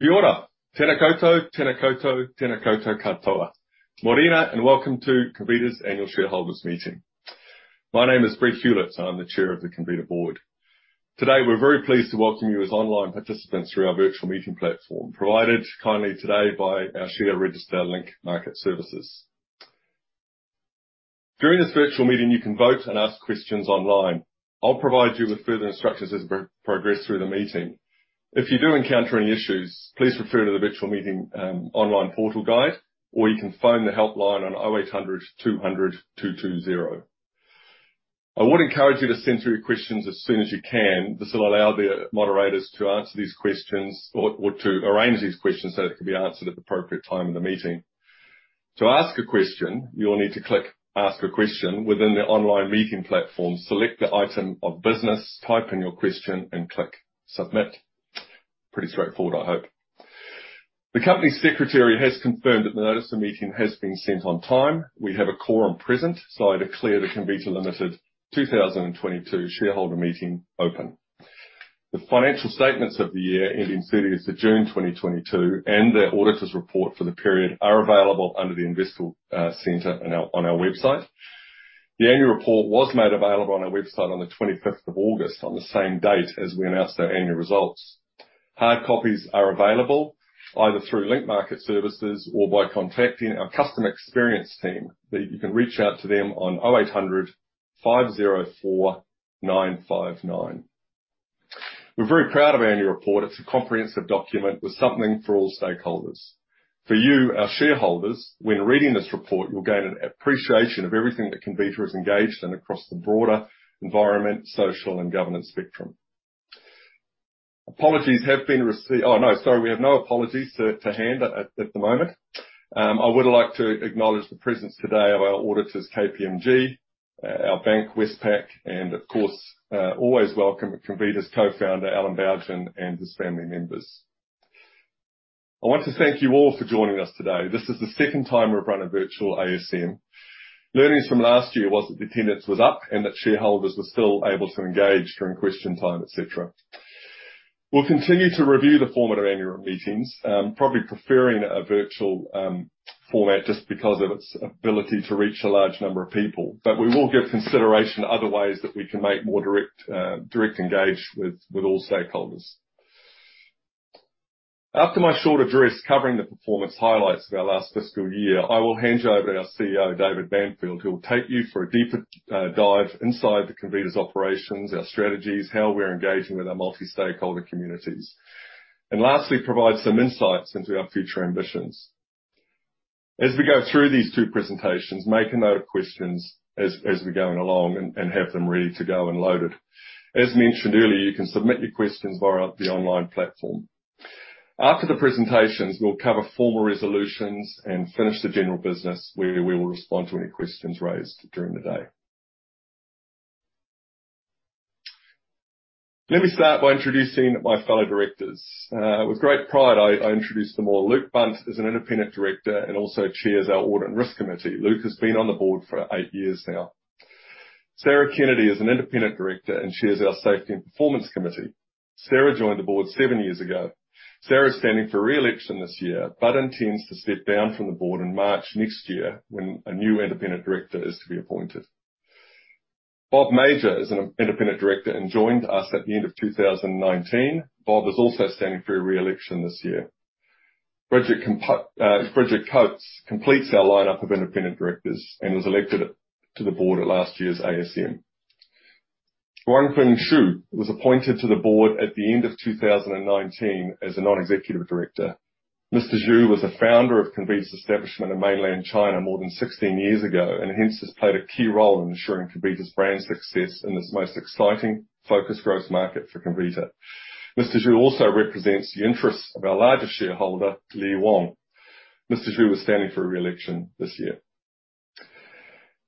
Kia ora. Tēnā koutou, tēnā koutou, tēnā koutou katoa. Morena and welcome to Comvita's annual shareholders' meeting. My name is Brett Hewlett. I'm the Chair of the Comvita board. Today, we're very pleased to welcome you as online participants through our virtual meeting platform, provided kindly today by our share register Link Market Services. During this virtual meeting, you can vote and ask questions online. I'll provide you with further instructions as we progress through the meeting. If you do encounter any issues, please refer to the virtual meeting online portal guide, or you can phone the helpline on 0800 200 220. I would encourage you to send through your questions as soon as you can. This will allow the moderators to answer these questions or to arrange these questions so they can be answered at the appropriate time in the meeting. To ask a question, you'll need to click Ask a Question within the online meeting platform, select the item of business, type in your question, and click Submit. Pretty straightforward, I hope. The company secretary has confirmed that the notice of meeting has been sent on time. We have a quorum present, so I declare the Comvita Limited 2022 shareholder meeting open. The financial statements of the year ending 30th June 2022 and the auditor's report for the period are available under the investor center on our website. The annual report was made available on our website on the 25th August on the same date as we announced our annual results. Hard copies are available either through Link Market Services or by contacting our customer experience team. You can reach out to them on 0800 504 959. We're very proud of our annual report. It's a comprehensive document with something for all stakeholders. For you, our shareholders, when reading this report, you'll gain an appreciation of everything that Comvita is engaged in across the broader environment, social, and governance spectrum. We have no apologies to hand at the moment. I would like to acknowledge the presence today of our auditors, KPMG, our bank, Westpac, and of course, always welcome Comvita's co-founder, Alan Bougen, and his family members. I want to thank you all for joining us today. This is the second time we've run a virtual ASM. Learnings from last year was that the attendance was up and that shareholders were still able to engage during question time, et cetera. We'll continue to review the format of annual meetings, probably preferring a virtual format just because of its ability to reach a large number of people. We will give consideration other ways that we can make more direct engagement with all stakeholders. After my short address covering the performance highlights of our last fiscal year, I will hand you over to our CEO, David Banfield, who will take you for a deeper dive inside the Comvita's operations, our strategies, how we're engaging with our multi-stakeholder communities, and lastly, provide some insights into our future ambitions. As we go through these two presentations, make a note of questions as we're going along and have them ready to go and loaded. As mentioned earlier, you can submit your questions via the online platform. After the presentations, we'll cover formal resolutions and finish the general business where we will respond to any questions raised during the day. Let me start by introducing my fellow directors. With great pride, I introduce them all. Luke Bunt is an Independent Director and also chairs our Audit and Risk Committee. Luke has been on the board for eight years now. Sarah Kennedy is an Independent Director and chairs our Safety and Performance Committee. Sarah joined the board seven years ago. Sarah is standing for re-election this year, but intends to step down from the board in March next year when a new independent director is to be appointed. Bob Major is an Independent Director and joined us at the end of 2019. Bob is also standing for re-election this year. Bridget Coates completes our lineup of independent directors and was elected to the board at last year's ASM. Guangping Zhu was appointed to the board at the end of 2019 as a Non-Executive Director. Mr. Zhu was a founder of Comvita's establishment in mainland China more than 16 years ago, and hence has played a key role in ensuring Comvita's brand success in this most exciting focus growth market for Comvita. Mr. Zhu also represents the interests of our largest shareholder, Li Wang. Mr. Zhu was standing for re-election this year.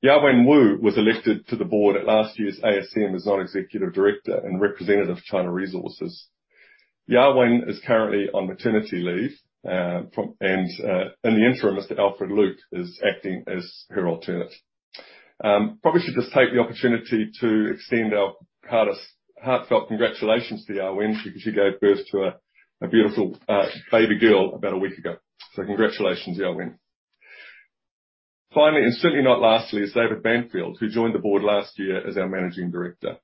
Yawen Wu was elected to the board at last year's ASM as Non-Executive Director and Representative for China Resources. Yawen is currently on maternity leave. In the interim, Mr. Alfred Luk is acting as her alternate. Probably should just take the opportunity to extend our hardest, heartfelt congratulations to Yawen because she gave birth to a beautiful baby girl about a week ago. Congratulations, Yawen. Finally, and certainly not lastly, is David Banfield, who joined the board last year as our Managing Director.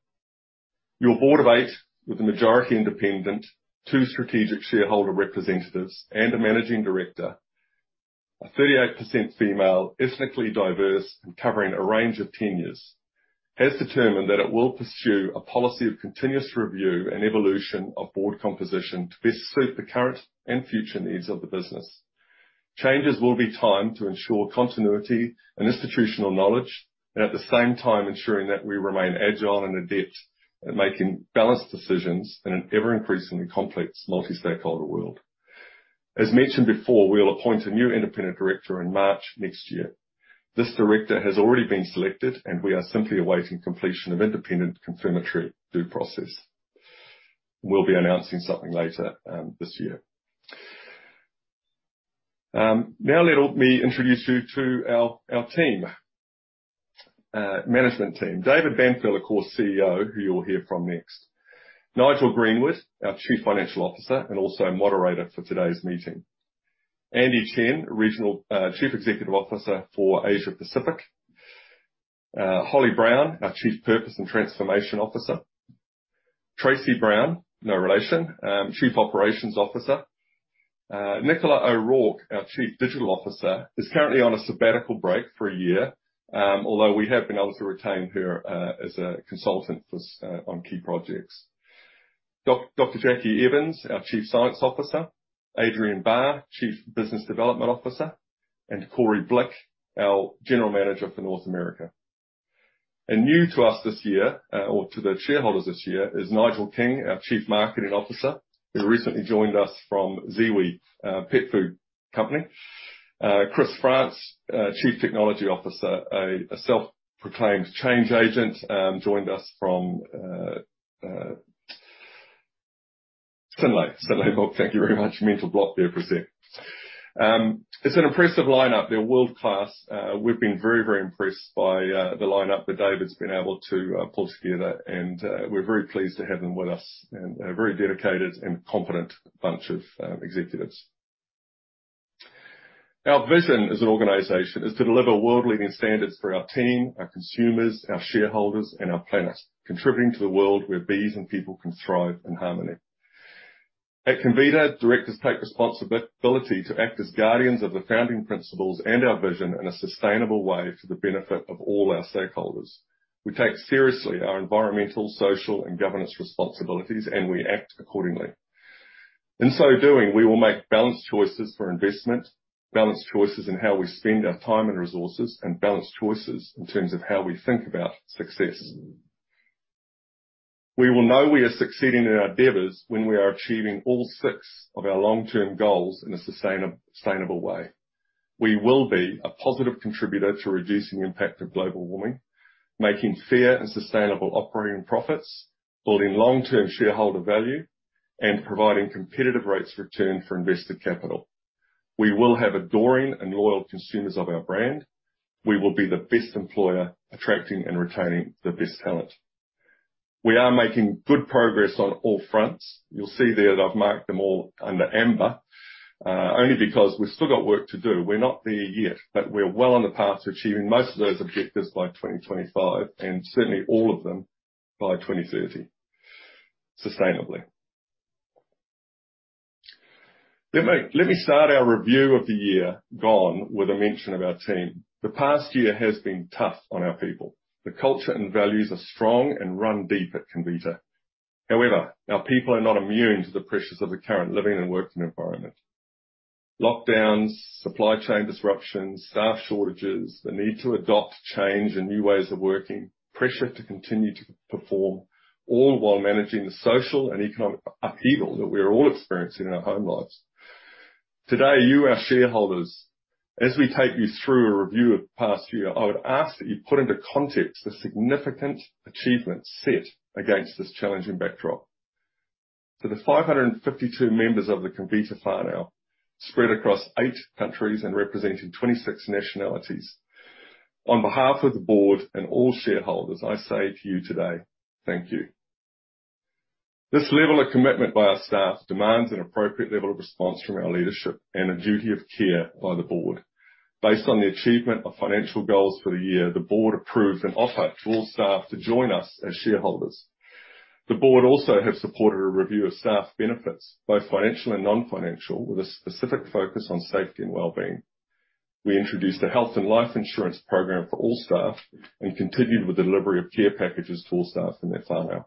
Our board of eight, with the majority independent, two strategic shareholder representatives, and a Managing Director. A 38% female, ethnically diverse, and covering a range of tenures, has determined that it will pursue a policy of continuous review and evolution of board composition to best suit the current and future needs of the business. Changes will be timed to ensure continuity and institutional knowledge, and at the same time ensuring that we remain agile and adept at making balanced decisions in an ever-increasingly complex multi-stakeholder world. As mentioned before, we'll appoint a new independent director in March next year. This director has already been selected, and we are simply awaiting completion of independent confirmatory due process. We'll be announcing something later this year. Now let me introduce you to our management team. David Banfield, of course, CEO, who you'll hear from next. Nigel Greenwood, our Chief Financial Officer, and also moderator for today's meeting. Andy Chen, Regional Chief Executive Officer for Asia Pacific. Holly Brown, our Chief Purpose and Transformation Officer. Tracy Brown, no relation, Chief Operations Officer. Nicola O'Rourke, our Chief Digital Officer, is currently on a sabbatical break for a year, although we have been able to retain her as a consultant on key projects. Dr. Jackie Evans, our Chief Science Officer. Adrian Barr, Chief Business Development Officer, and Corey Blick, our General Manager for North America. New to us this year, or to the shareholders this year, is Nigel King, our Chief Marketing Officer, who recently joined us from ZIWI, pet food company. Chris France, Chief Technology Officer, a self-proclaimed change agent, joined us from Synlait. Thank you very much. Mental block there for a sec. It's an impressive lineup. They're world-class. We've been very, very impressed by the lineup that David's been able to pull together, and we're very pleased to have them with us. They're a very dedicated and competent bunch of executives. Our vision as an organization is to deliver world-leading standards for our team, our consumers, our shareholders, and our planet, contributing to the world where bees and people can thrive in harmony. At Comvita, directors take responsibility to act as guardians of the founding principles and our vision in a sustainable way for the benefit of all our stakeholders. We take seriously our environmental, social, and governance responsibilities, and we act accordingly. In so doing, we will make balanced choices for investment, balanced choices in how we spend our time and resources, and balanced choices in terms of how we think about success. We will know we are succeeding in our endeavors when we are achieving all six of our long-term goals in a sustainable way. We will be a positive contributor to reducing the impact of global warming, making fair and sustainable operating profits, building long-term shareholder value, and providing competitive rates of return for invested capital. We will have adoring and loyal consumers of our brand. We will be the best employer, attracting and retaining the best talent. We are making good progress on all fronts. You'll see there that I've marked them all under amber only because we've still got work to do. We're not there yet, but we're well on the path to achieving most of those objectives by 2025, and certainly all of them by 2030, sustainably. Let me start our review of the year gone with a mention of our team. The past year has been tough on our people. The culture and values are strong and run deep at Comvita. However, our people are not immune to the pressures of the current living and working environment. Lockdowns, supply chain disruptions, staff shortages, the need to adopt change and new ways of working, pressure to continue to perform, all while managing the social and economic upheaval that we are all experiencing in our home lives. Today, you, our shareholders, as we take you through a review of the past year, I would ask that you put into context the significant achievements set against this challenging backdrop. To the 552 members of the Comvita whānau, spread across eight countries and representing 26 nationalities, on behalf of the board and all shareholders, I say to you today, thank you. This level of commitment by our staff demands an appropriate level of response from our leadership and a duty of care by the board. Based on the achievement of financial goals for the year, the board approved an offer to all staff to join us as shareholders. The board also has supported a review of staff benefits, both financial and non-financial, with a specific focus on safety and well-being. We introduced a health and life insurance program for all staff and continued with the delivery of care packages to all staff and their whānau.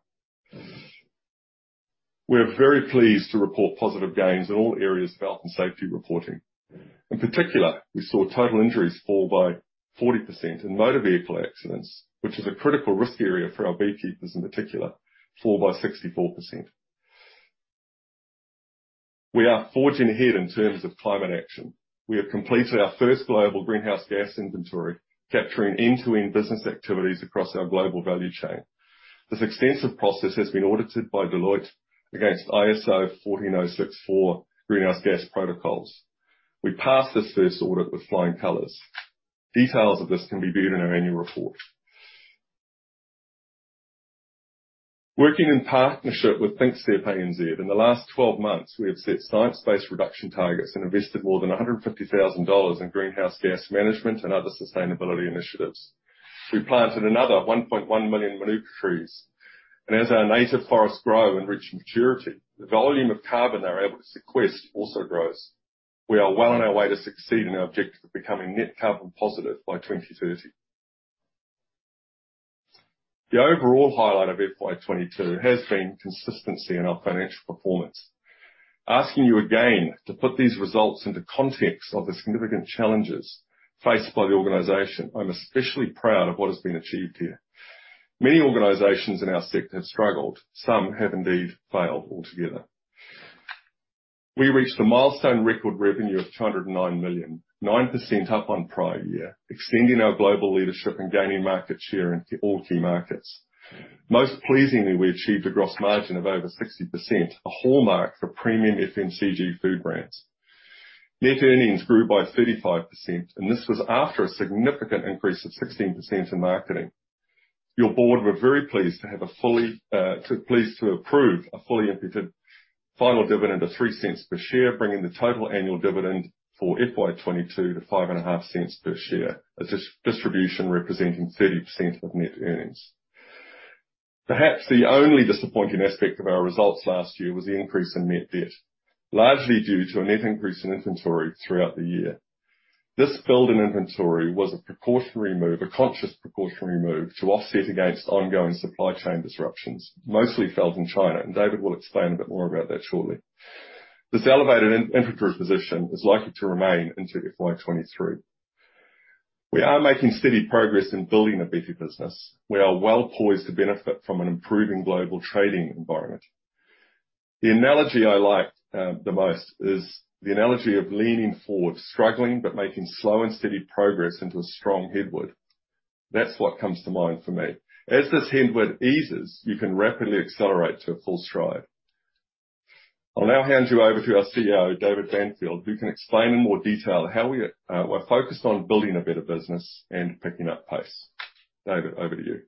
We are very pleased to report positive gains in all areas of health and safety reporting. In particular, we saw total injuries fall by 40% in motor vehicle accidents, which is a critical risk area for our beekeepers in particular, fall by 64%. We are forging ahead in terms of climate action. We have completed our first global greenhouse gas inventory, capturing end-to-end business activities across our global value chain. This extensive process has been audited by Deloitte against ISO 14064 greenhouse gas protocols. We passed this first audit with flying colors. Details of this can be viewed in our annual report. Working in partnership with thinkstep-anz, in the last 12 months, we have set science-based reduction targets and invested more than 150,000 dollars in greenhouse gas management and other sustainability initiatives. We planted another 1.1 million Mānuka trees, and as our native forests grow and reach maturity, the volume of carbon they're able to sequester also grows. We are well on our way to succeeding in our objective of becoming net carbon positive by 2030. The overall highlight of FY 2022 has been consistency in our financial performance. Asking you again to put these results into context of the significant challenges faced by the organization, I'm especially proud of what has been achieved here. Many organizations in our sector have struggled. Some have indeed failed altogether. We reached a milestone record revenue of 209 million, 9% up on prior year, extending our global leadership and gaining market share in all key markets. Most pleasingly, we achieved a gross margin of over 60%, a hallmark for premium FMCG food brands. Net earnings grew by 35%, and this was after a significant increase of 16% in marketing. Your board were very pleased to approve a fully imputed final dividend of 0.03 per share, bringing the total annual dividend for FY 2022 to 0.055 per share. A distribution representing 30% of net earnings. Perhaps the only disappointing aspect of our results last year was the increase in net debt. Largely due to a net increase in inventory throughout the year. This build in inventory was a precautionary move, a conscious precautionary move to offset against ongoing supply chain disruptions, mostly felt in China. David will explain a bit more about that shortly. This elevated inventory position is likely to remain into FY 2023. We are making steady progress in building a better business. We are well poised to benefit from an improving global trading environment. The analogy I like the most is the analogy of leaning forward, struggling, but making slow and steady progress into a strong headwind. That's what comes to mind for me. As this headwind eases, you can rapidly accelerate to a full stride. I'll now hand you over to our CEO, David Banfield, who can explain in more detail how we're focused on building a better business and picking up pace. David, over to you.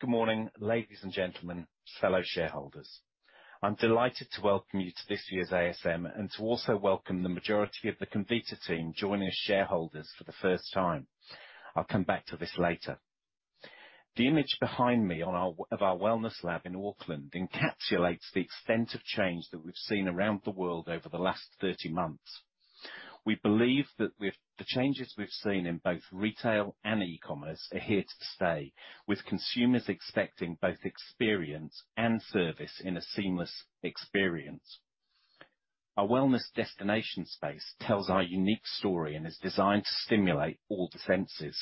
Good morning, ladies and gentlemen, fellow shareholders. I'm delighted to welcome you to this year's ASM and to also welcome the majority of the Comvita team joining as shareholders for the first time. I'll come back to this later. The image behind me of our wellness lab in Auckland encapsulates the extent of change that we've seen around the world over the last 30 months. We believe that the changes we've seen in both retail and e-commerce are here to stay, with consumers expecting both experience and service in a seamless experience. Our wellness destination space tells our unique story and is designed to stimulate all the senses.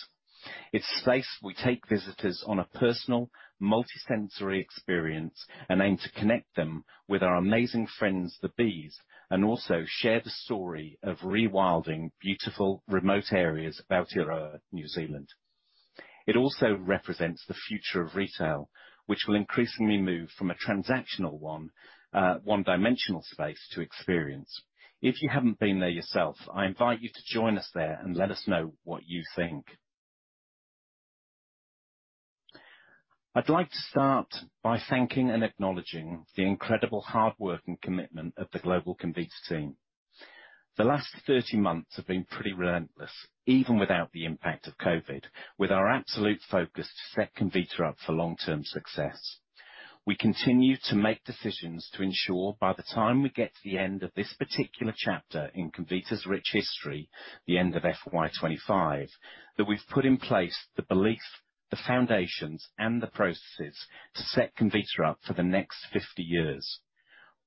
It's a space we take visitors on a personal multi-sensory experience, and aim to connect them with our amazing friends, the bees, and also share the story of rewilding beautiful remote areas of Aotearoa, New Zealand. It also represents the future of retail, which will increasingly move from a transactional one-dimensional space to experience. If you haven't been there yourself, I invite you to join us there and let us know what you think. I'd like to start by thanking and acknowledging the incredible hard work and commitment of the global Comvita team. The last 30 months have been pretty relentless, even without the impact of COVID, with our absolute focus to set Comvita up for long-term success. We continue to make decisions to ensure by the time we get to the end of this particular chapter in Comvita's rich history, the end of FY 2025, that we've put in place the belief, the foundations, and the processes to set Comvita up for the next 50 years.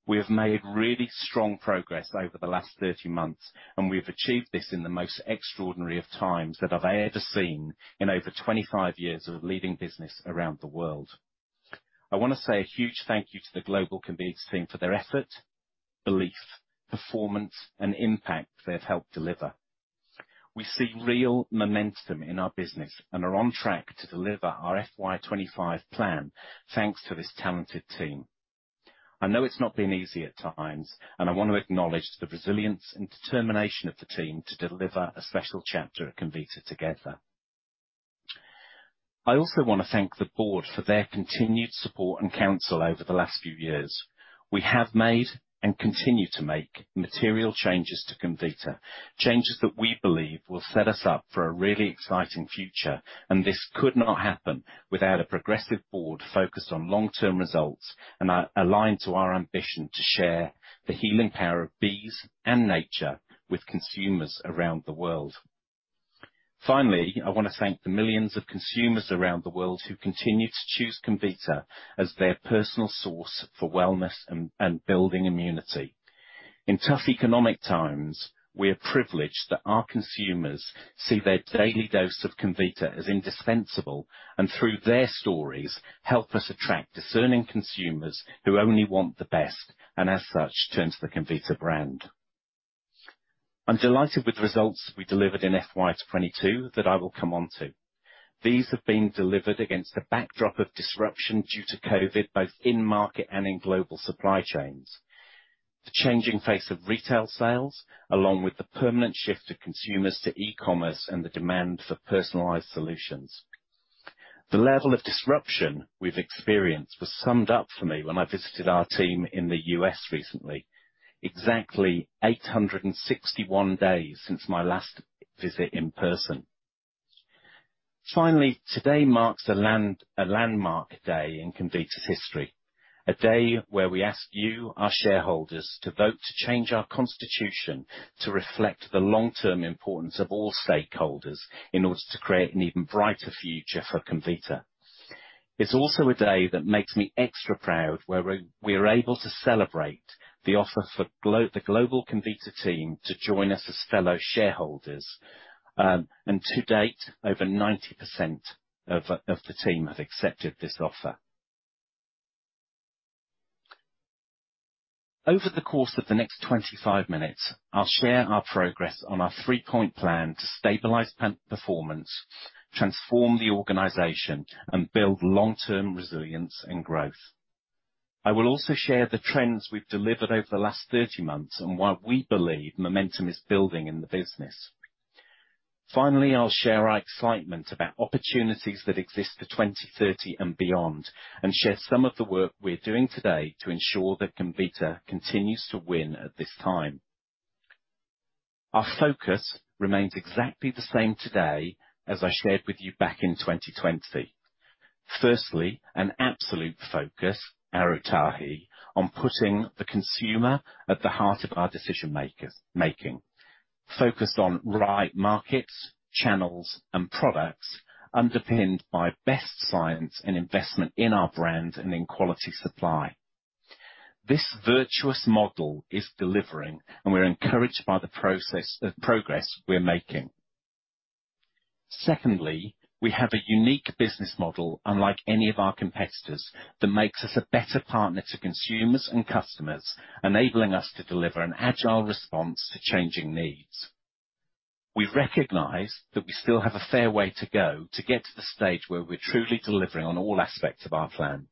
We have made really strong progress over the last 30 months, and we've achieved this in the most extraordinary of times that I've ever seen in over 25 years of leading business around the world. I wanna say a huge thank you to the global Comvita team for their effort, belief, performance, and impact they have helped deliver. We see real momentum in our business and are on track to deliver our FY 2025 plan thanks to this talented team. I know it's not been easy at times, and I want to acknowledge the resilience and determination of the team to deliver a special chapter at Comvita together. I also wanna thank the board for their continued support and counsel over the last few years. We have made and continue to make material changes to Comvita. Changes that we believe will set us up for a really exciting future, and this could not happen without a progressive board focused on long-term results and are aligned to our ambition to share the healing power of bees and nature with consumers around the world. Finally, I wanna thank the millions of consumers around the world who continue to choose Comvita as their personal source for wellness and building immunity. In tough economic times, we are privileged that our consumers see their daily dose of Comvita as indispensable, and through their stories, help us attract discerning consumers who only want the best, and as such, turn to the Comvita brand. I'm delighted with the results we delivered in FY 2022 that I will come on to. These have been delivered against a backdrop of disruption due to COVID, both in market and in global supply chains, the changing face of retail sales, along with the permanent shift of consumers to e-commerce and the demand for personalized solutions. The level of disruption we've experienced was summed up for me when I visited our team in the U.S. Recently. Exactly 861 days since my last visit in person. Finally, today marks a landmark day in Comvita's history. A day where we ask you, our shareholders, to vote to change our constitution to reflect the long-term importance of all stakeholders in order to create an even brighter future for Comvita. It's also a day that makes me extra proud, where we're able to celebrate the offer for the global Comvita team to join us as fellow shareholders. To date, over 90% of the team have accepted this offer. Over the course of the next 25 minutes, I'll share our progress on our three-point plan to stabilize plant performance, transform the organization, and build long-term resilience and growth. I will also share the trends we've delivered over the last 30 months and why we believe momentum is building in the business. Finally, I'll share our excitement about opportunities that exist for 2030 and beyond, and share some of the work we're doing today to ensure that Comvita continues to win at this time. Our focus remains exactly the same today as I shared with you back in 2020. Firstly, an absolute focus, arotahi, on putting the consumer at the heart of our decision-making. Focused on right markets, channels, and products, underpinned by best science and investment in our brand and in quality supply. This virtuous model is delivering, and we're encouraged by the process of progress we're making. Secondly, we have a unique business model, unlike any of our competitors, that makes us a better partner to consumers and customers, enabling us to deliver an agile response to changing needs. We recognize that we still have a fair way to go to get to the stage where we're truly delivering on all aspects of our plan.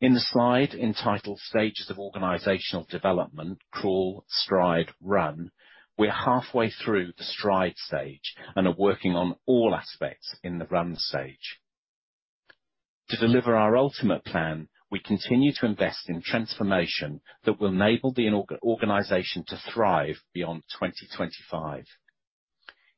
In the slide entitled Stages of Organizational Development, Crawl, Stride, Run, we're halfway through the stride stage and are working on all aspects in the run stage. To deliver our ultimate plan, we continue to invest in transformation that will enable the organization to thrive beyond 2025.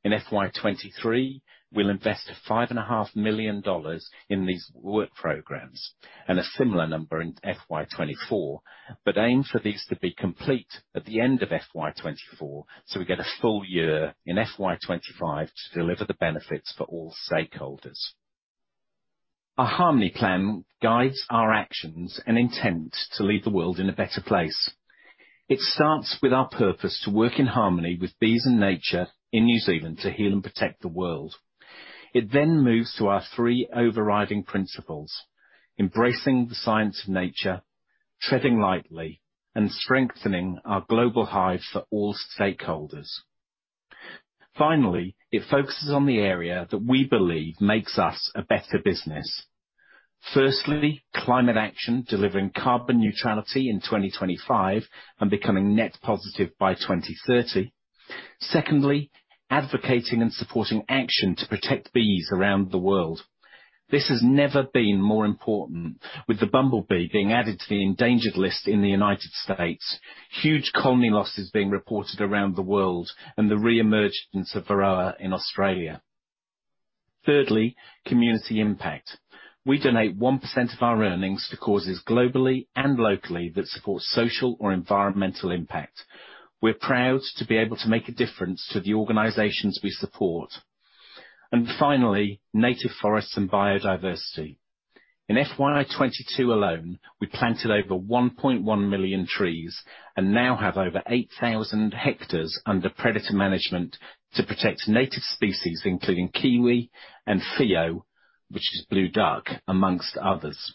In FY 2023, we'll invest 5.5 million dollars in these work programs and a similar number in FY 2024, but aim for these to be complete at the end of FY 2024, so we get a full year in FY 2025 to deliver the benefits for all stakeholders. Our Harmony Plan guides our actions and intent to leave the world in a better place. It starts with our purpose to work in harmony with bees and nature in New Zealand to heal and protect the world. It then moves to our three overriding principles, embracing the science of nature, treading lightly, and strengthening our global hive for all stakeholders. Finally, it focuses on the area that we believe makes us a better business. Firstly, climate action, delivering carbon neutrality in 2025 and becoming net positive by 2030. Secondly, advocating and supporting action to protect bees around the world. This has never been more important, with the bumblebee being added to the endangered list in the United States, huge colony losses being reported around the world, and the re-emergence of varroa in Australia. Thirdly, community impact. We donate 1% of our earnings to causes globally and locally that support social or environmental impact. We're proud to be able to make a difference to the organizations we support. Finally, native forests and biodiversity. In FY 2022 alone, we planted over 1.1 million trees and now have over 8,000 hectares under predator management to protect native species, including kiwi and whio, which is blue duck, among others.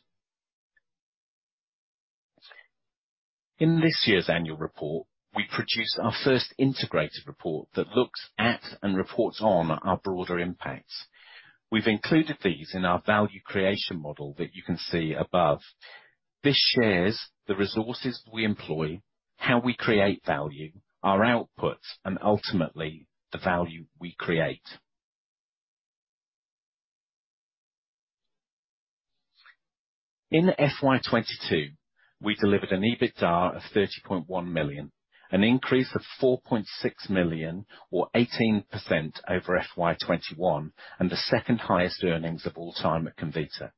In this year's annual report, we produce our first integrated report that looks at and reports on our broader impacts. We've included these in our value creation model that you can see above. This shares the resources we employ, how we create value, our outputs, and ultimately, the value we create. In FY 2022, we delivered an EBITDA of 30.1 million, an increase of 4.6 million or 18% over FY 2021, and the second highest earnings of all time at Comvita.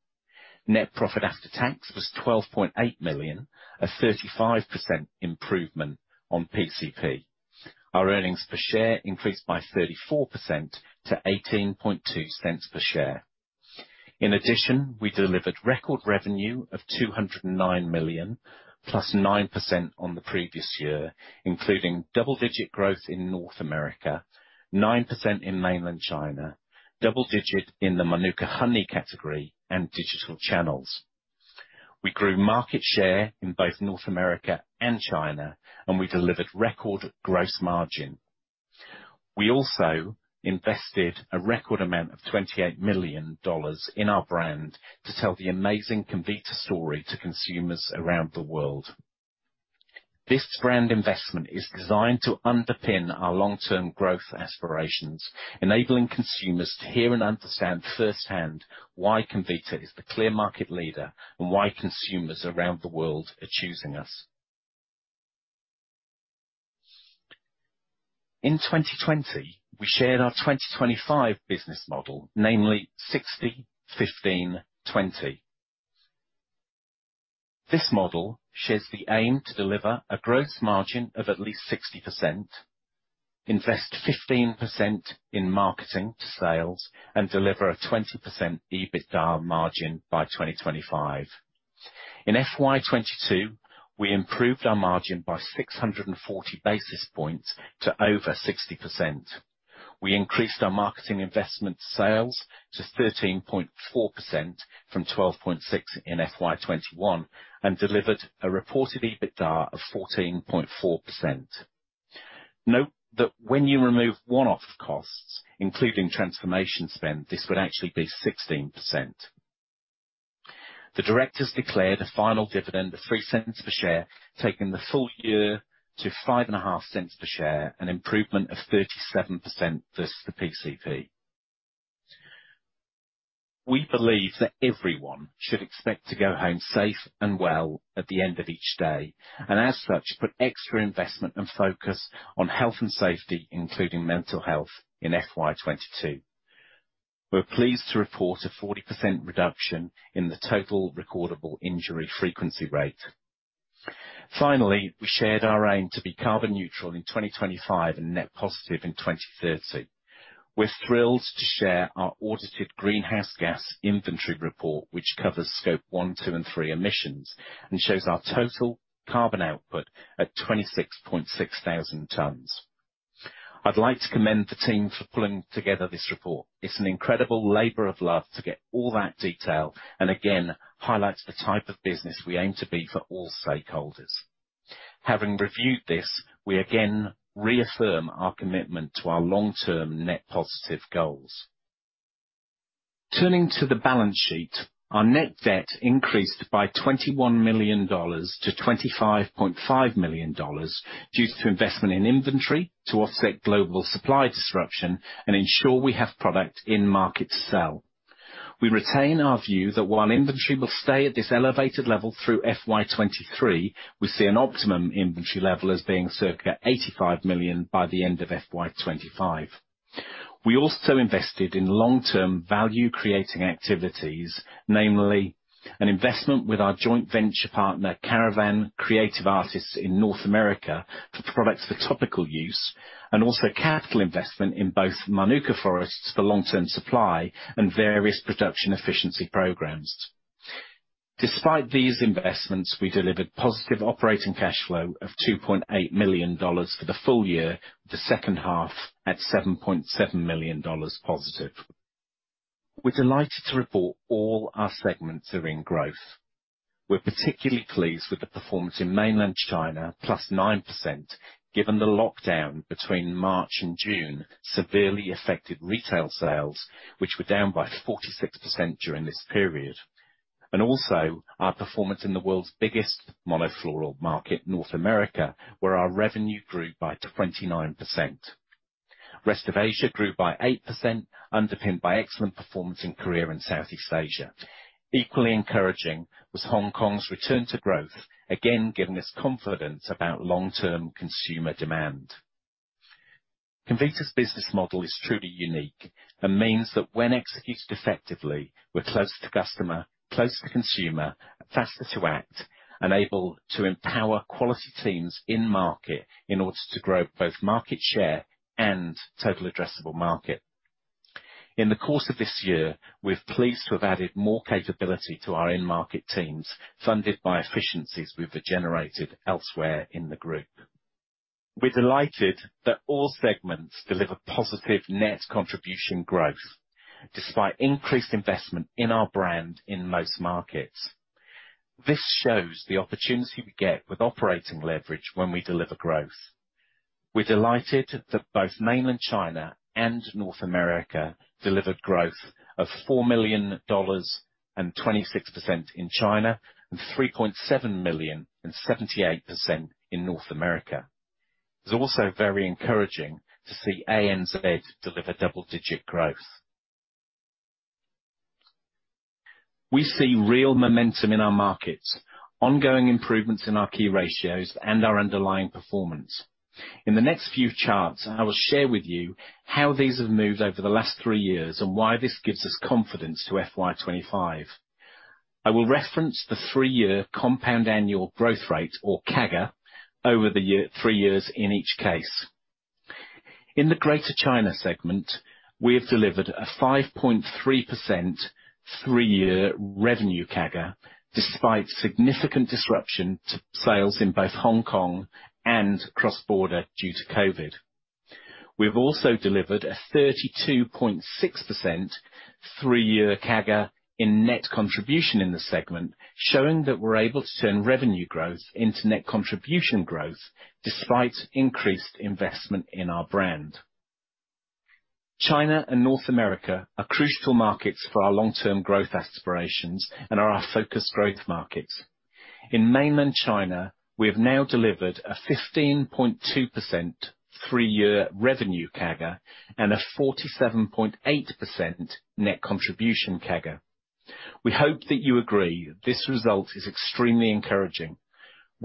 Net profit after tax was 12.8 million, a 35% improvement on PCP. Our earnings per share increased by 34% to 0.182 per share. In addition, we delivered record revenue of 209 million, plus 9% on the previous year, including double-digit growth in North America, 9% in mainland China, double-digit in the Mānuka honey category and digital channels. We grew market share in both North America and China, and we delivered record gross margin. We also invested a record amount of 28 million dollars in our brand to tell the amazing Comvita story to consumers around the world. This brand investment is designed to underpin our long-term growth aspirations, enabling consumers to hear and understand firsthand why Comvita is the clear market leader and why consumers around the world are choosing us. In 2020, we shared our 2025 business model, namely 60/15/20. This model shares the aim to deliver a gross margin of at least 60%, invest 15% in marketing to sales, and deliver a 20% EBITDA margin by 2025. In FY 2022, we improved our margin by 640 basis points to over 60%. We increased our marketing investment sales to 13.4% from 12.6% in FY 2021, and delivered a reported EBITDA of 14.4%. Note that when you remove one-off costs, including transformation spend, this would actually be 16%. The directors declare the final dividend of 0.03 per share, taking the full year to 0.055 per share, an improvement of 37% versus the PCP. We believe that everyone should expect to go home safe and well at the end of each day, and as such, put extra investment and focus on health and safety, including mental health in FY 2022. We're pleased to report a 40% reduction in the total recordable injury frequency rate. Finally, we shared our aim to be carbon neutral in 2025 and net positive in 2030. We're thrilled to share our audited greenhouse gas inventory report, which covers Scope 1, 2, and 3 emissions and shows our total carbon output at 26,600 tons. I'd like to commend the team for pulling together this report. It's an incredible labor of love to get all that detail, and again, highlights the type of business we aim to be for all stakeholders. Having reviewed this, we again reaffirm our commitment to our long-term net positive goals. Turning to the balance sheet, our net debt increased by 21 million-25.5 million dollars due to investment in inventory to offset global supply disruption and ensure we have product in market to sell. We retain our view that while inventory will stay at this elevated level through FY 2023, we see an optimum inventory level as being circa 85 million by the end of FY 2025. We also invested in long-term value creating activities, namely an investment with our joint venture partner, Caravan, Creative Artists Agency in North America, for products for topical use and also capital investment in both Mānuka forests for long-term supply and various production efficiency programs. Despite these investments, we delivered positive operating cash flow of 2.8 million dollars for the full year, the second half at 7.7 million dollars positive. We're delighted to report all our segments are in growth. We're particularly pleased with the performance in Mainland China, +9%, given the lockdown between March and June severely affected retail sales, which were down by 46% during this period. Our performance in the world's biggest monofloral market, North America, where our revenue grew by 29%. Rest of Asia grew by 8%, underpinned by excellent performance in Korea and Southeast Asia. Equally encouraging was Hong Kong's return to growth, again, giving us confidence about long-term consumer demand. Comvita's business model is truly unique and means that when executed effectively, we're close to customer, close to consumer, faster to act, and able to empower quality teams in market in order to grow both market share and total addressable market. In the course of this year, we're pleased to have added more capability to our in-market teams, funded by efficiencies we've generated elsewhere in the group. We're delighted that all segments deliver positive net contribution growth despite increased investment in our brand in most markets. This shows the opportunity we get with operating leverage when we deliver growth. We're delighted that both Mainland China and North America delivered growth of 4 million dollars and 26% in China and 3.7 million and 78% in North America. It's also very encouraging to see ANZ deliver double-digit growth. We see real momentum in our markets, ongoing improvements in our key ratios and our underlying performance. In the next few charts, I will share with you how these have moved over the last three years and why this gives us confidence to FY 2025. I will reference the three-year compound annual growth rate or CAGR over three years in each case. In the Greater China segment, we have delivered a 5.3% three-year revenue CAGR despite significant disruption to sales in both Hong Kong and cross-border due to COVID. We've also delivered a 32.6% three-year CAGR in net contribution in the segment, showing that we're able to turn revenue growth into net contribution growth despite increased investment in our brand. China and North America are crucial markets for our long-term growth aspirations and are our focus growth markets. In Mainland China, we have now delivered a 15.2% three-year revenue CAGR and a 47.8% net contribution CAGR. We hope that you agree this result is extremely encouraging.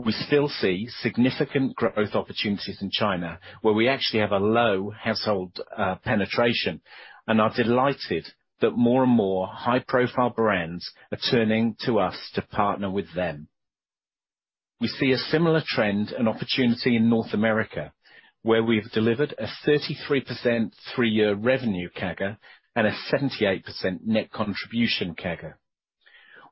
We still see significant growth opportunities in China, where we actually have a low household penetration, and are delighted that more and more high-profile brands are turning to us to partner with them. We see a similar trend and opportunity in North America, where we've delivered a 33% three-year revenue CAGR and a 78% net contribution CAGR.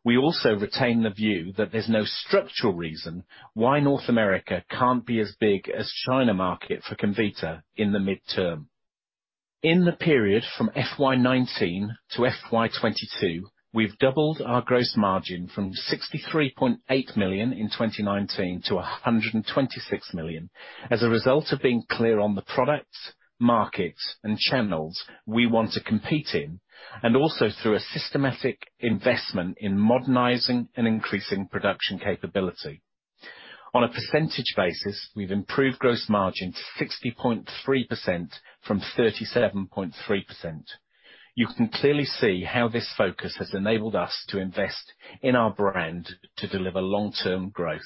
We retain the view that there's no structural reason why North America can't be as big as China market for Comvita in the midterm. In the period from FY 2019-FY 2022, we've doubled our gross margin from 63.8 million in 2019 to 126 million. As a result of being clear on the products, markets, and channels we want to compete in, and also through a systematic investment in modernizing and increasing production capability. On a percentage basis, we've improved gross margin to 60.3% from 37.3%. You can clearly see how this focus has enabled us to invest in our brand to deliver long-term growth.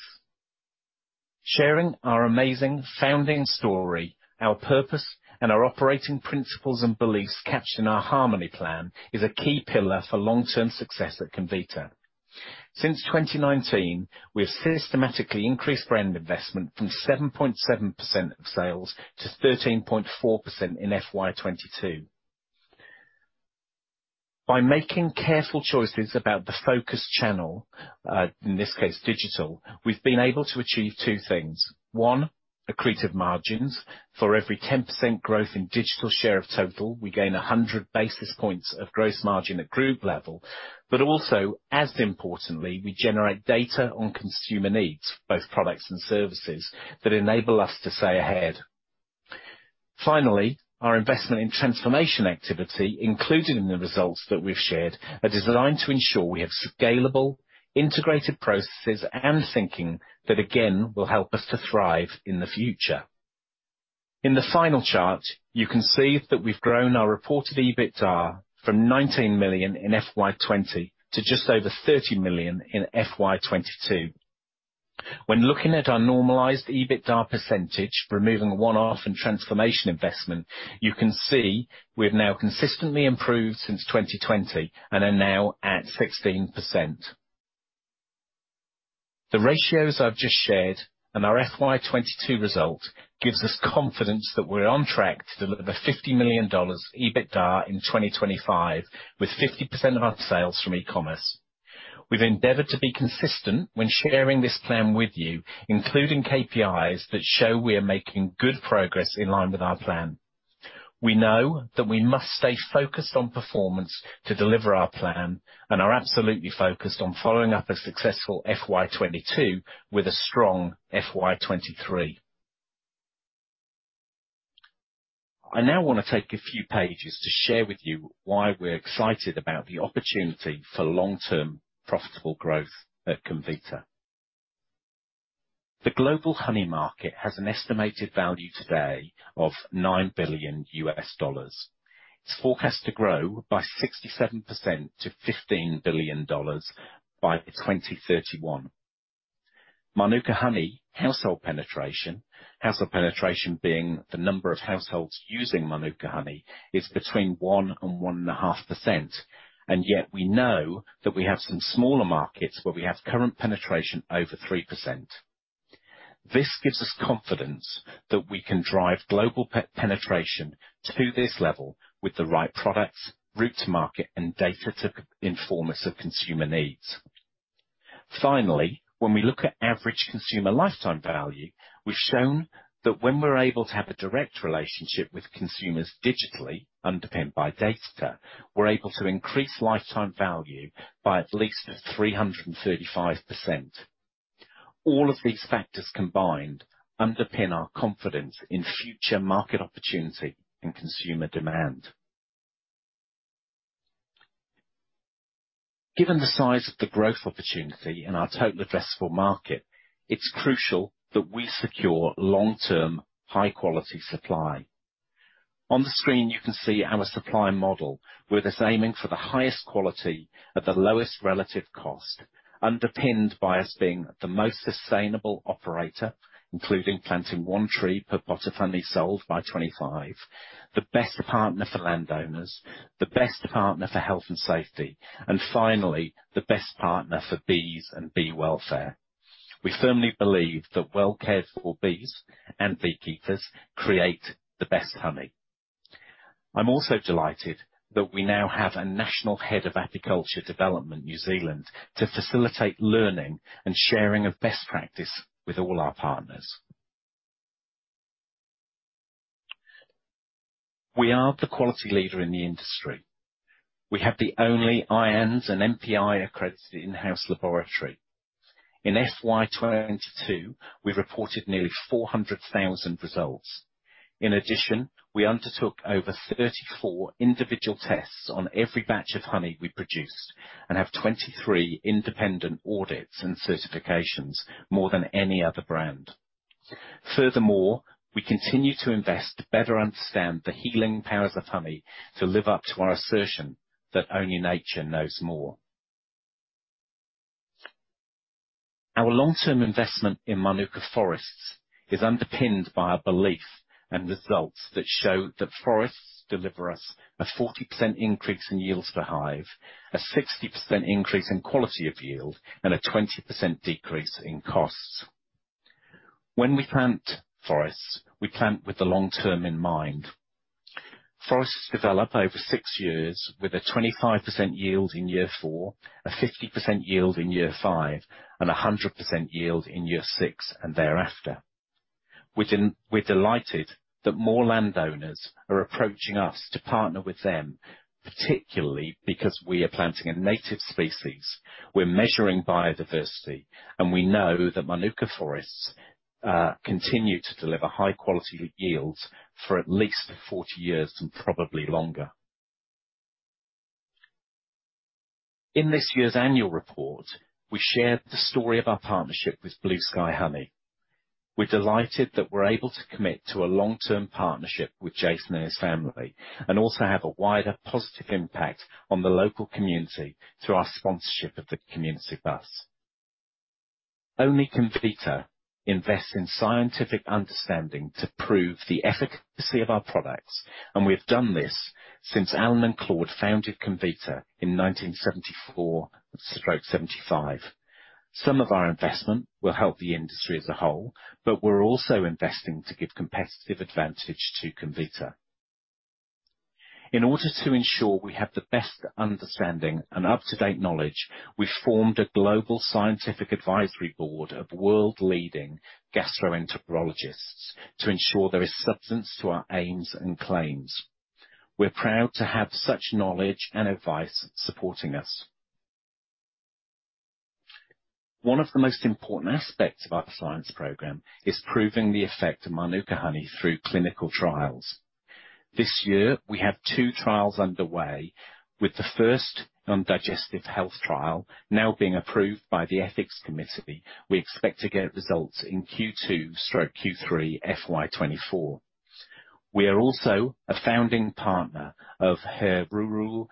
Sharing our amazing founding story, our purpose, and our operating principles and beliefs captured in our Harmony Plan is a key pillar for long-term success at Comvita. Since 2019, we have systematically increased brand investment from 7.7% of sales to 13.4% in FY 2022. By making careful choices about the focus channel, in this case digital, we've been able to achieve two things. One, accretive margins. For every 10% growth in digital share of total, we gain 100 basis points of gross margin at group level, but also as importantly, we generate data on consumer needs, both products and services, that enable us to stay ahead. Finally, our investment in transformation activity, including the results that we've shared, are designed to ensure we have scalable, integrated processes and thinking that again will help us to thrive in the future. In the final chart, you can see that we've grown our reported EBITDA from 19 million in FY 2020 to just over 30 million in FY 2022. When looking at our normalized EBITDA percentage, removing one-off and transformation investment, you can see we've now consistently improved since 2020 and are now at 16%. The ratios I've just shared and our FY 2022 result gives us confidence that we're on track to deliver 50 million dollars EBITDA in 2025 with 50% of our sales from e-commerce. We've endeavored to be consistent when sharing this plan with you, including KPIs that show we are making good progress in line with our plan. We know that we must stay focused on performance to deliver our plan and are absolutely focused on following up a successful FY 2022 with a strong FY 2023. I now wanna take a few pages to share with you why we're excited about the opportunity for long-term profitable growth at Comvita. The global honey market has an estimated value today of $9 billion. It's forecast to grow by 67% to $15 billion by 2031. Mānuka honey household penetration, household penetration being the number of households using Mānuka honey, is between 1% and 1.5%, and yet we know that we have some smaller markets where we have current penetration over 3%. This gives us confidence that we can drive global penetration to this level with the right products, route to market, and data to inform us of consumer needs. Finally, when we look at average consumer lifetime value, we've shown that when we're able to have a direct relationship with consumers digitally underpinned by data, we're able to increase lifetime value by at least 335%. All of these factors combined underpin our confidence in future market opportunity and consumer demand. Given the size of the growth opportunity in our total addressable market, it's crucial that we secure long-term, high-quality supply. On the screen, you can see our supply model, where it is aiming for the highest quality at the lowest relative cost, underpinned by us being the most sustainable operator, including planting one tree per pot of honey sold by 2025, the best partner for landowners, the best partner for health and safety, and finally, the best partner for bees and bee welfare. We firmly believe that well-cared for bees and beekeepers create the best honey. I'm also delighted that we now have a national head of Apiculture New Zealand to facilitate learning and sharing of best practice with all our partners. We are the quality leader in the industry. We have the only IANZ and MPI-accredited in-house laboratory. In FY 2022, we reported nearly 400,000 results. In addition, we undertook over 34 individual tests on every batch of honey we produced and have 23 independent audits and certifications, more than any other brand. Furthermore, we continue to invest to better understand the healing powers of honey to live up to our assertion that only nature knows more. Our long-term investment in Mānuka forests is underpinned by our belief and results that show that forests deliver us a 40% increase in yields per hive, a 60% increase in quality of yield, and a 20% decrease in costs. When we plant forests, we plant with the long term in mind. Forests develop over six years with a 25% yield in year four, a 50% yield in year five, and a 100% yield in year six and thereafter. We're delighted that more landowners are approaching us to partner with them, particularly because we are planting a native species, we're measuring biodiversity, and we know that Mānuka forests continue to deliver high quality yields for at least 40 years and probably longer. In this year's annual report, we shared the story of our partnership with Blue Sky Honey. We're delighted that we're able to commit to a long-term partnership with Jason and his family, and also have a wider positive impact on the local community through our sponsorship of the community bus. Only Comvita invests in scientific understanding to prove the efficacy of our products, and we have done this since Alan and Claude founded Comvita in 1974/75. Some of our investment will help the industry as a whole, but we're also investing to give competitive advantage to Comvita. In order to ensure we have the best understanding and up-to-date knowledge, we formed a global scientific advisory board of world-leading gastroenterologists to ensure there is substance to our aims and claims. We're proud to have such knowledge and advice supporting us. One of the most important aspects of our science program is proving the effect of Mānuka honey through clinical trials. This year, we have two trials underway, with the first on digestive health trial now being approved by the ethics committee. We expect to get results in Q2/Q3 FY 2024. We are also a founding partner of He Rourou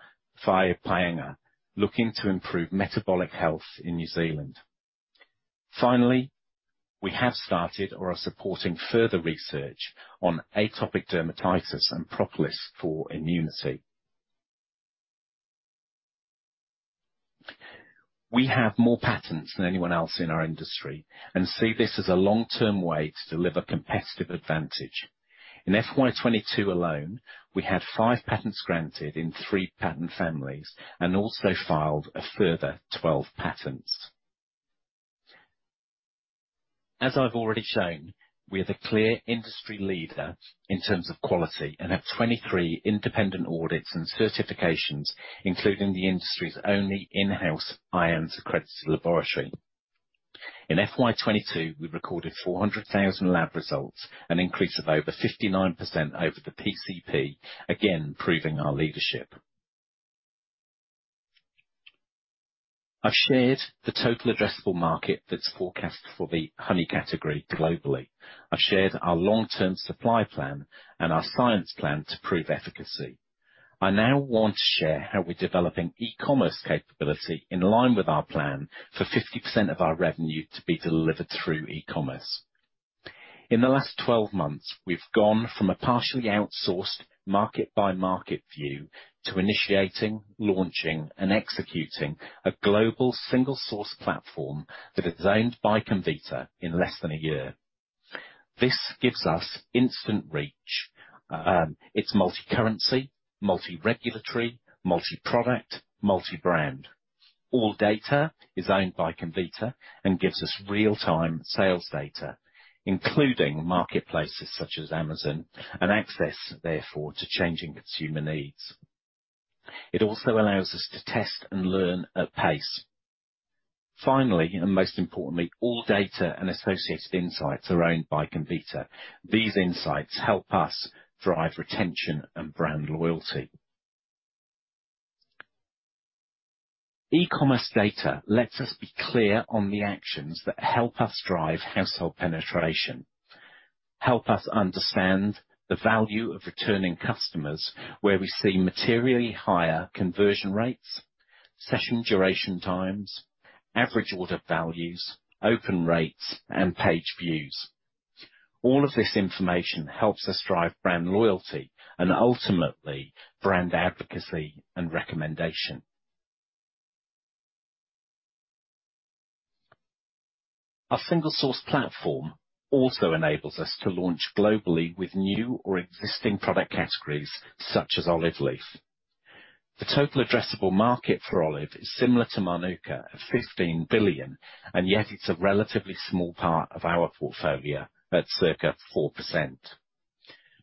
Whai Painga, looking to improve metabolic health in New Zealand. Finally, we have started or are supporting further research on atopic dermatitis and propolis for immunity. We have more patents than anyone else in our industry and see this as a long-term way to deliver competitive advantage. In FY 2022 alone, we had five patents granted in three patent families and also filed a further 12 patents. As I've already shown, we are the clear industry leader in terms of quality and have 23 independent audits and certifications, including the industry's only in-house IANZ-accredited laboratory. In FY 2022, we recorded 400,000 lab results, an increase of over 59% over the PCP, again proving our leadership. I've shared the total addressable market that's forecast for the honey category globally. I've shared our long-term supply plan and our science plan to prove efficacy. I now want to share how we're developing e-commerce capability in line with our plan for 50% of our revenue to be delivered through e-commerce. In the last 12 months, we've gone from a partially outsourced market-by-market view to initiating, launching, and executing a global single source platform that is owned by Comvita in less than a year. This gives us instant reach. It's multi-currency, multi-regulatory, multi-product, multi-brand. All data is owned by Comvita and gives us real-time sales data, including marketplaces such as Amazon and access, therefore, to changing consumer needs. It also allows us to test and learn at pace. Finally, and most importantly, all data and associated insights are owned by Comvita. These insights help us drive retention and brand loyalty. E-commerce data lets us be clear on the actions that help us drive household penetration, help us understand the value of returning customers, where we see materially higher conversion rates, session duration times, average order values, open rates, and page views. All of this information helps us drive brand loyalty and ultimately brand advocacy and recommendation. Our single source platform also enables us to launch globally with new or existing product categories such as Olive Leaf. The total addressable market for Olive is similar to Mānuka at $15 billion, and yet it's a relatively small part of our portfolio at circa 4%.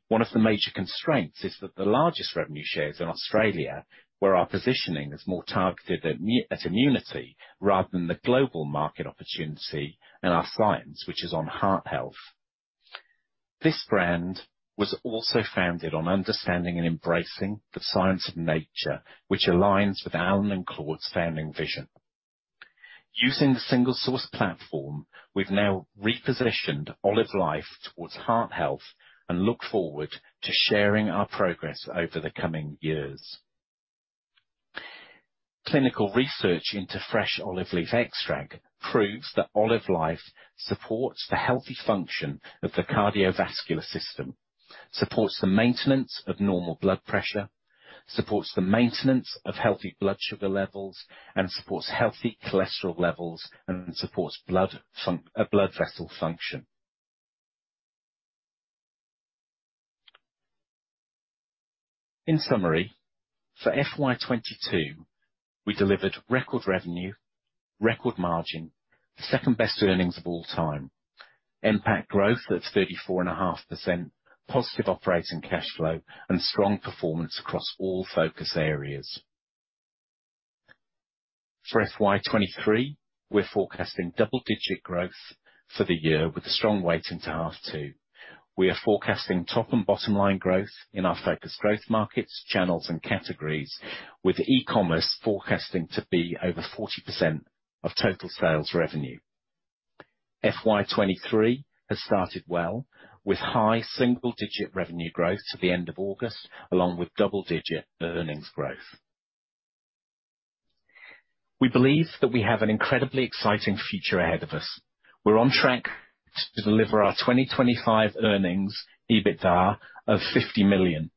One of the major constraints is that the largest revenue share is in Australia, where our positioning is more targeted at immunity rather than the global market opportunity and our science, which is on heart health. This brand was also founded on understanding and embracing the science of nature, which aligns with Alan and Claude's founding vision. Using the single source platform, we've now repositioned Olive Life towards heart health and look forward to sharing our progress over the coming years. Clinical research into fresh olive leaf extract proves that Olive Life supports the healthy function of the cardiovascular system, supports the maintenance of normal blood pressure, supports the maintenance of healthy blood sugar levels, and supports healthy cholesterol levels, and supports blood vessel function. In summary, for FY 2022, we delivered record revenue, record margin, the second-best earnings of all time, NPAT growth at 34.5%, positive operating cash flow, and strong performance across all focus areas. For FY 2023, we're forecasting double-digit growth for the year with a strong weighting to Half two. We are forecasting top and bottom line growth in our focused growth markets, channels, and categories, with e-commerce forecasting to be over 40% of total sales revenue. FY 2023 has started well, with high single-digit revenue growth to the end of August, along with double-digit earnings growth. We believe that we have an incredibly exciting future ahead of us. We're on track to deliver our 2025 earnings, EBITDA of 50 million.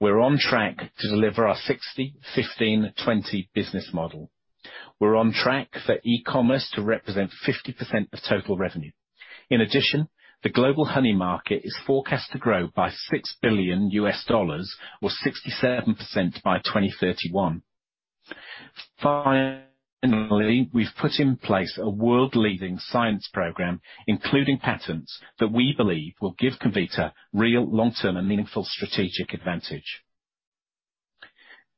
We're on track to deliver our 60/15/20 business model. We're on track for e-commerce to represent 50% of total revenue. In addition, the global honey market is forecast to grow by $6 billion or 67% by 2031. Finally, we've put in place a world-leading science program, including patents that we believe will give Comvita real long-term and meaningful strategic advantage.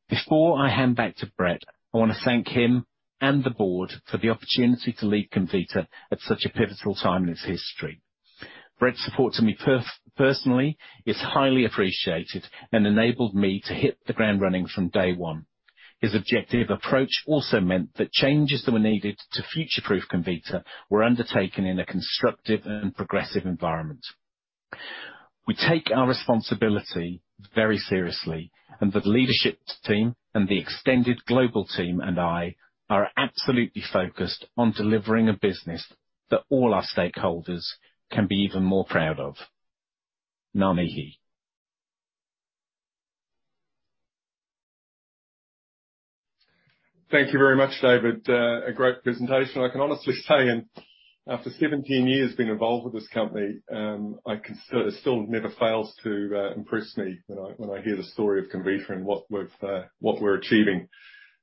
Before I hand back to Brett, I wanna thank him and the board for the opportunity to lead Comvita at such a pivotal time in its history. Brett's support to me personally is highly appreciated and enabled me to hit the ground running from day one. His objective approach also meant that changes that were needed to future-proof Comvita were undertaken in a constructive and progressive environment. We take our responsibility very seriously, and the leadership team and the extended global team and I are absolutely focused on delivering a business that all our stakeholders can be even more proud of. Ngā mihi. Thank you very much, David. A great presentation. I can honestly say for 17 years being involved with this company, I can say it still never fails to impress me when I hear the story of Comvita and what we're achieving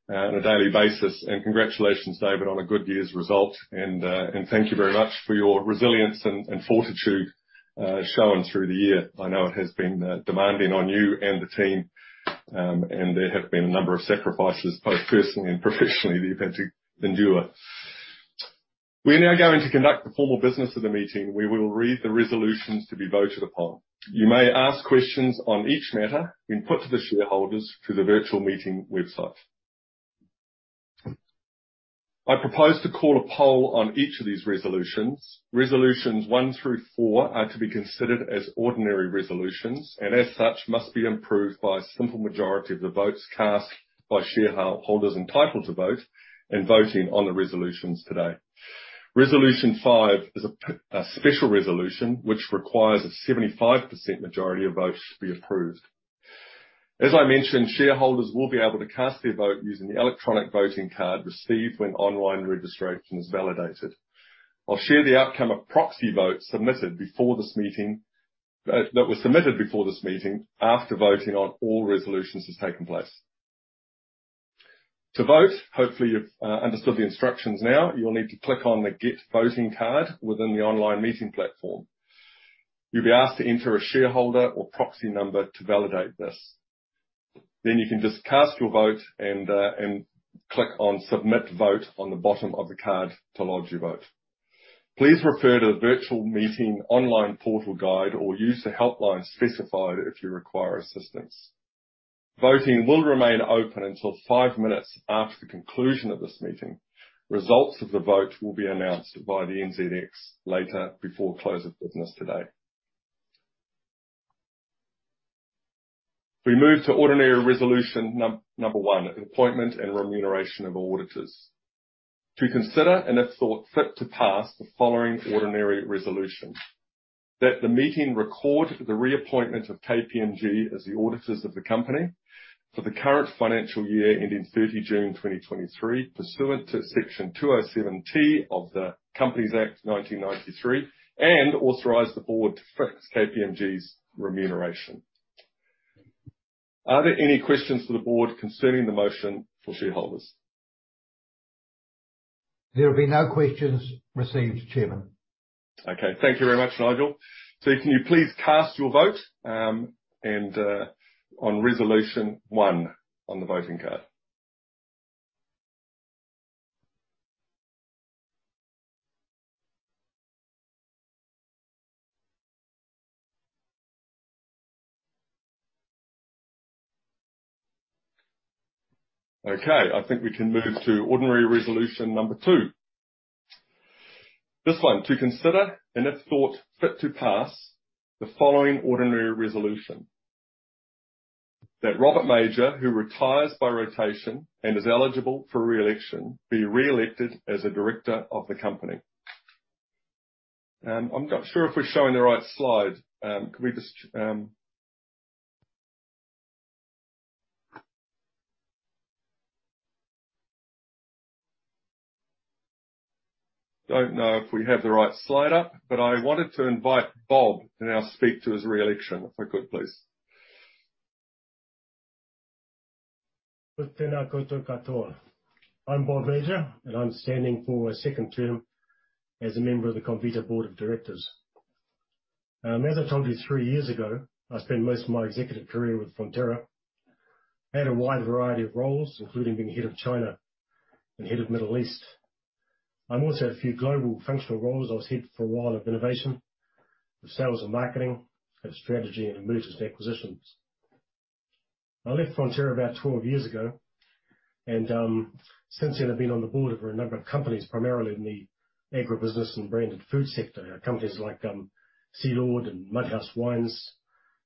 on a daily basis. Congratulations, David, on a good year's result. Thank you very much for your resilience and fortitude shown through the year. I know it has been demanding on you and the team, and there have been a number of sacrifices, both personally and professionally that you've had to endure. We are now going to conduct the formal business of the meeting, where we will read the resolutions to be voted upon. You may ask questions on each matter and put to the shareholders through the virtual meeting website. I propose to call a poll on each of these resolutions. Resolutions one through four are to be considered as ordinary resolutions and as such must be approved by a simple majority of the votes cast by shareholders entitled to vote and voting on the resolutions today. Resolution five is a special resolution, which requires a 75% majority of votes to be approved. As I mentioned, shareholders will be able to cast their vote using the electronic voting card received when online registration is validated. I'll share the outcome of proxy votes submitted before this meeting, after voting on all resolutions has taken place. To vote, hopefully, you've understood the instructions now. You'll need to click on the Get Voting Card within the online meeting platform. You'll be asked to enter a shareholder or proxy number to validate this. Then you can just cast your vote and click on Submit Vote on the bottom of the card to lodge your vote. Please refer to the virtual meeting online portal guide or use the helpline specified if you require assistance. Voting will remain open until five minutes after the conclusion of this meeting. Results of the vote will be announced by the NZX later before close of business today. We move to ordinary resolution number one, appointment and remuneration of auditors. To consider and if thought fit to pass the following ordinary resolution, that the meeting record the reappointment of KPMG as the auditors of the company for the current financial year ending 30 June 2023, pursuant to Section 207T of the Companies Act 1993, and authorize the board to fix KPMG's remuneration. Are there any questions for the board concerning the motion for shareholders? There will be no questions received, Chairman. Okay. Thank you very much, Nigel. Can you please cast your vote on resolution 1 on the voting card. Okay, I think we can move to ordinary resolution number two. This one, to consider and if thought fit to pass the following ordinary resolution, that Robert Major, who retires by rotation and is eligible for re-election, be re-elected as a director of the company. I'm not sure if we're showing the right slide. I don't know if we have the right slide up, but I wanted to invite Bob to now speak to his re-election, if I could, please. I'm Bob Major, and I'm standing for a second term as a member of the Comvita board of directors. As I told you three years ago, I spent most of my executive career with Fonterra. Had a wide variety of roles, including being head of China and head of Middle East. I also had a few global functional roles. I was head for a while of innovation, of sales and marketing and strategy and mergers and acquisitions. I left Fonterra about 12 years ago and since then I've been on the board of a number of companies, primarily in the agribusiness and branded food sector. Companies like Sealord and Mud House Wines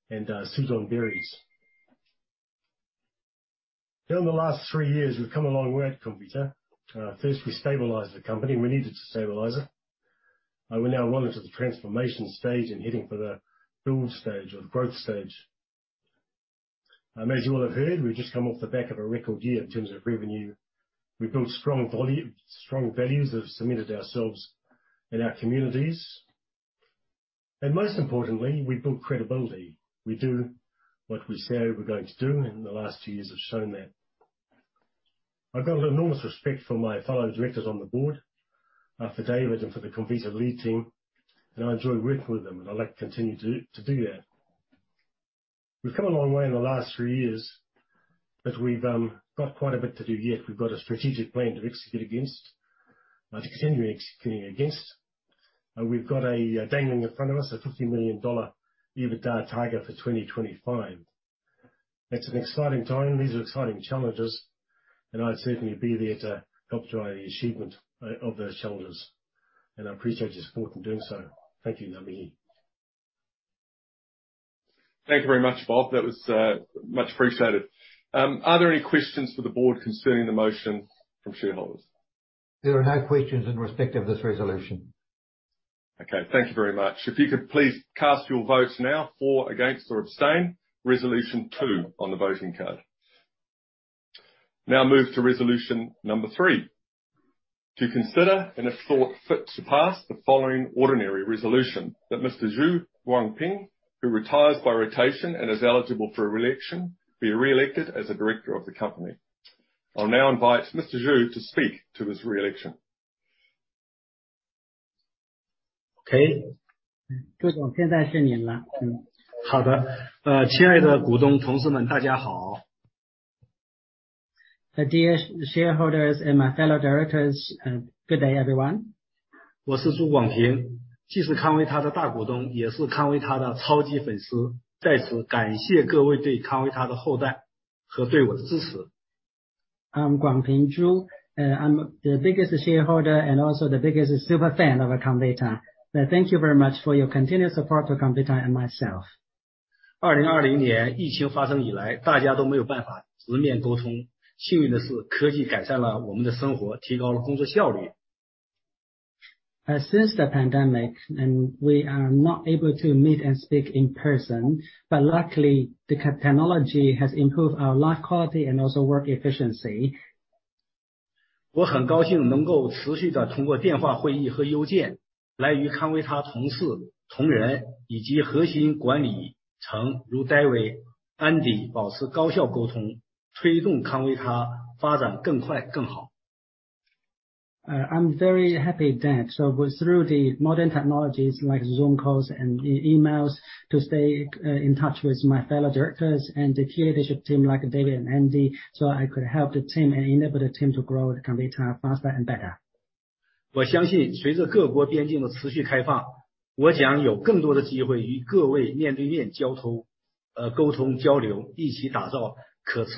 and Sujon Berries. During the last three years, we've come a long way at Comvita. First we stabilized the company. We needed to stabilize it. We're now well into the transformation stage and heading for the build stage or the growth stage. As you all have heard, we've just come off the back of a record year in terms of revenue. We've built strong values, have cemented ourselves in our communities, and most importantly, we've built credibility. We do what we say we're going to do, and the last two years have shown that. I've got enormous respect for my fellow directors on the board, for David and for the Comvita lead team, and I enjoy working with them and I'd like to continue to do that. We've come a long way in the last three years, but we've got quite a bit to do yet. We've got a strategic plan to execute against. To continue executing against. We've got dangling in front of us a 50 million dollar EBITDA target for 2025. It's an exciting time. These are exciting challenges and I'd certainly be there to help drive the achievement of those challenges, and I appreciate your support in doing so. Thank you. Thank you very much, Bob. That was much appreciated. Are there any questions for the board concerning the motion from shareholders? There are no questions in respect of this resolution. Okay. Thank you very much. If you could please cast your votes now for, against, or abstain. Resolution two on the voting card. Now move to resolution number three. To consider, and if thought fit to pass, the following ordinary resolution. That Mr. Zhu Guangping, who retires by rotation and is eligible for reelection, be reelected as a director of the company. I'll now invite Mr. Zhu to speak to his reelection. Okay. Dear shareholders and my fellow directors, good day, everyone. I'm Guangping Zhu. I'm the biggest shareholder and also the biggest super fan of Comvita. Thank you very much for your continuous support to Comvita and myself. Since the pandemic and we are not able to meet and speak in person, but luckily the technology has improved our life quality and also work efficiency. I'm very happy that it was through the modern technologies like Zoom calls and emails to stay in touch with my fellow directors and the key leadership team like David and Andy, so I could help the team and enable the team to grow the Comvita faster and better. I believe with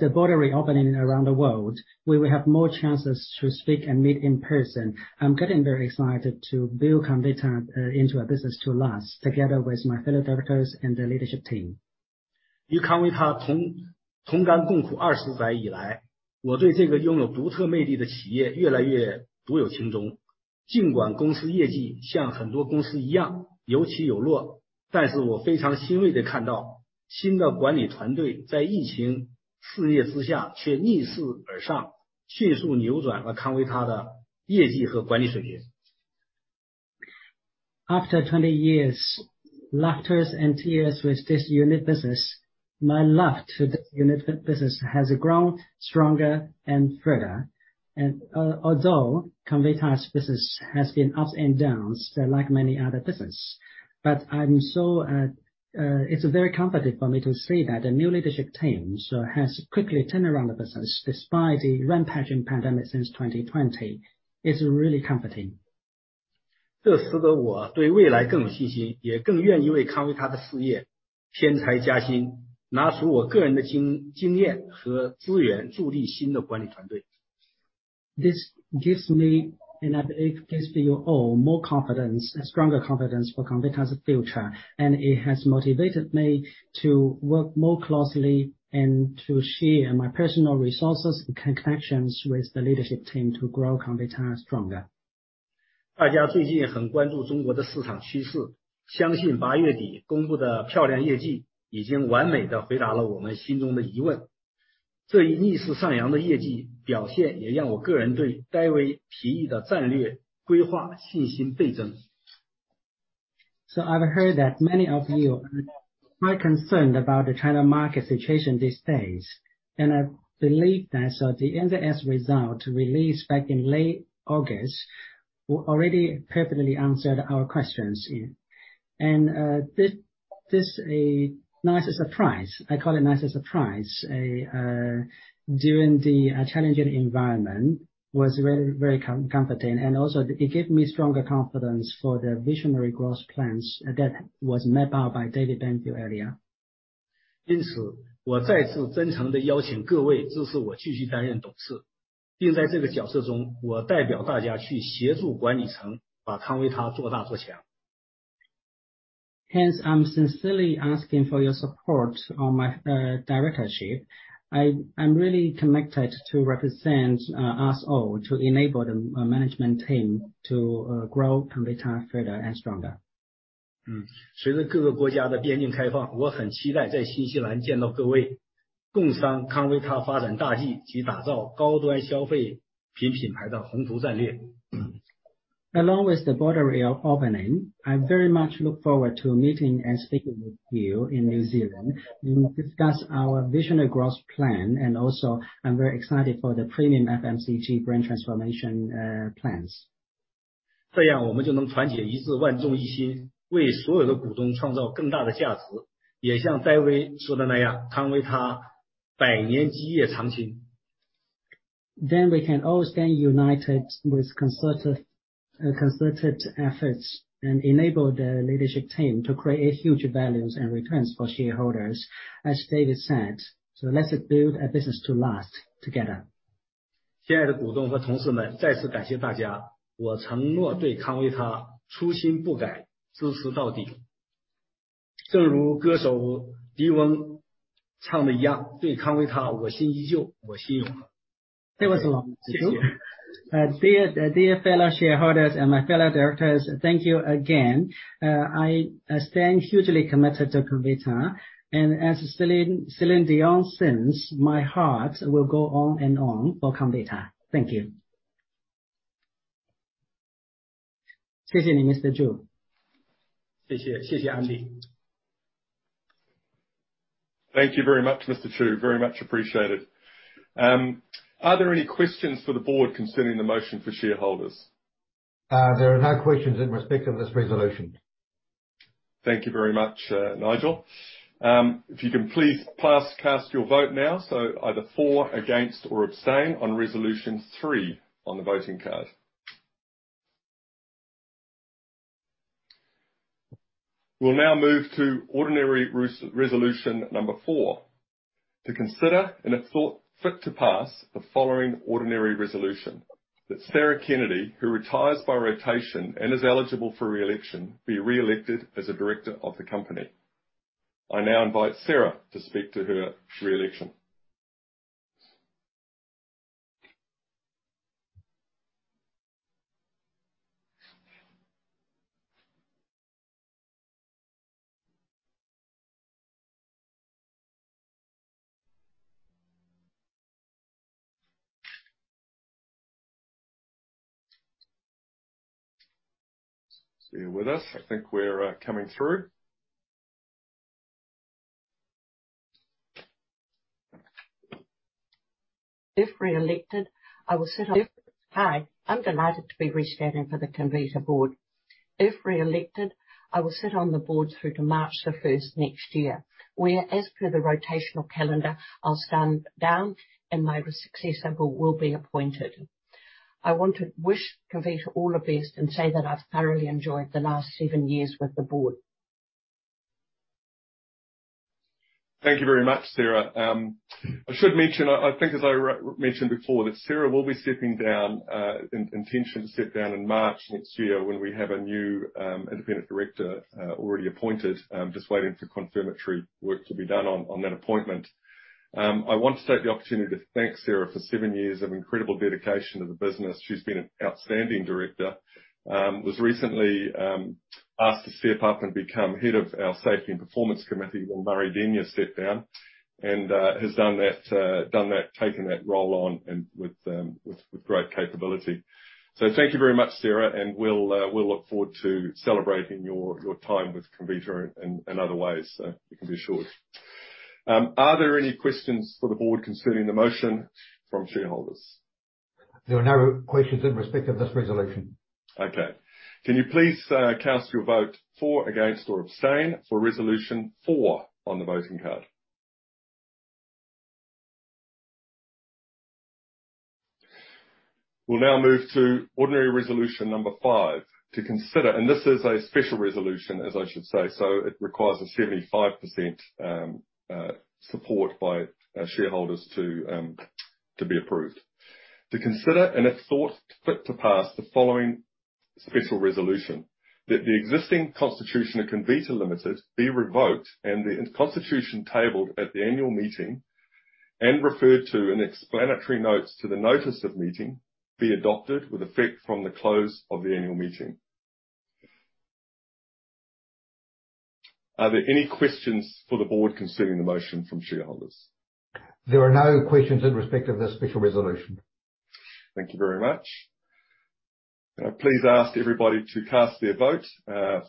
the borders opening around the world, we will have more chances to speak and meet in person. I'm getting very excited to build Comvita into a business to last together with my fellow directors and the leadership team. After 20 years, laughter and tears with this unique business, my love to this unique business has grown stronger and further. Although Comvita's business has been ups and downs like many other businesses, but I'm so. It's very comforting for me to see that the new leadership team has so quickly turned around the business despite the rampaging pandemic since 2020. It's really comforting. This gives me, and I believe gives you all, more confidence, stronger confidence for Comvita's future. It has motivated me to work more closely and to share my personal resources and connections with the leadership team to grow Comvita stronger. 大家最近很关注中国的市场趋势，相信八月底公布的漂亮业绩已经完美地回答了我们心中的疑问。这一逆势上扬的业绩表现也让我个人对David提议的战略规划信心倍增。I've heard that many of you are quite concerned about the China market situation these days, and I believe that the NZX result released back in late August already perfectly answered our questions. This was a nice surprise. I call it a nice surprise during the challenging environment that was very, very comforting. It also gave me stronger confidence for the visionary growth plans that was mapped out by David Banfield earlier. 因此，我再次真诚地邀请各位支持我继续担任董事，并在这个角色中，我代表大家去协助管理层把康维他做大做强。Hence, I'm sincerely asking for your support on my directorship. I'm really committed to represent us all to enable the management team to grow Comvita further and stronger. 随着各个国家的边境开放，我很期待在新西兰见到各位，共商康维他发展大计，及打造高端消费品品牌的宏图战略。Along with the border opening, I very much look forward to meeting and speaking with you in New Zealand and discuss our visionary growth plan. Also I'm very excited for the premium FMCG brand transformation, plans. 这样我们就能团结一致，万众一心，为所有的股东创造更大的价值。也像David说的那样，康维他百年基业常青。We can all stand united with concerted efforts and enable the leadership team to create huge values and returns for shareholders. As David said, "So let's build a business to last together. 亲爱的股东和同事们，再次感谢大家。我承诺对康维他初心不改，支持到底。正如歌手Céline Dion唱的一样，对康维他，我心依旧，我心永恒。That was long. Dear, dear fellow shareholders and my fellow directors, thank you again. I stand hugely committed to Comvita. As Céline Dion sings, "My heart will go on and on for Comvita." Thank you. 谢谢你 Mr. Zhu. 谢谢。谢谢 Andy。Thank you very much, Mr. Zhu. Very much appreciated. Are there any questions for the board concerning the motion for shareholders? There are no questions in respect of this resolution. Thank you very much, Nigel. If you can please cast your vote now, so either for, against, or abstain on resolution three on the voting card. We'll now move to ordinary resolution number four. To consider, and if thought fit to pass, the following ordinary resolution: That Sarah Kennedy, who retires by rotation and is eligible for re-election, be re-elected as a director of the company. I now invite Sarah to speak to her re-election. Still with us. I think we're coming through. Hi. I'm delighted to be re-standing for the Comvita board. If re-elected, I will sit on the board through to March the first next year, where as per the rotational calendar, I'll stand down and my successor will be appointed. I want to wish Comvita all the best and say that I've thoroughly enjoyed the last seven years with the board. Thank you very much, Sarah. I should mention, I think as I mentioned before, that Sarah will be stepping down, intending to step down in March next year when we have a new independent director already appointed. I'm just waiting for confirmatory work to be done on that appointment. I want to take the opportunity to thank Sarah for seven years of incredible dedication to the business. She's been an outstanding director. She was recently asked to step up and become head of our Safety and Performance Committee when Murray Denyer stepped down and has done that, taken that role on and with great capability. Thank you very much, Sarah, and we'll look forward to celebrating your time with Comvita in other ways, you can be assured. Are there any questions for the board concerning the motion from shareholders? There are no questions in respect of this resolution. Okay. Can you please cast your vote for, against, or abstain for resolution four on the voting card? We'll now move to ordinary resolution number five to consider. This is a special resolution, as I should say, so it requires a 75% support by our shareholders to be approved. To consider, and if thought fit to pass, the following special resolution: That the existing constitution of Comvita Limited be revoked, and the constitution tabled at the annual meeting and referred to in explanatory notes to the notice of meeting be adopted with effect from the close of the annual meeting. Are there any questions for the board concerning the motion from shareholders? There are no questions in respect of the special resolution. Thank you very much. Can I please ask everybody to cast their vote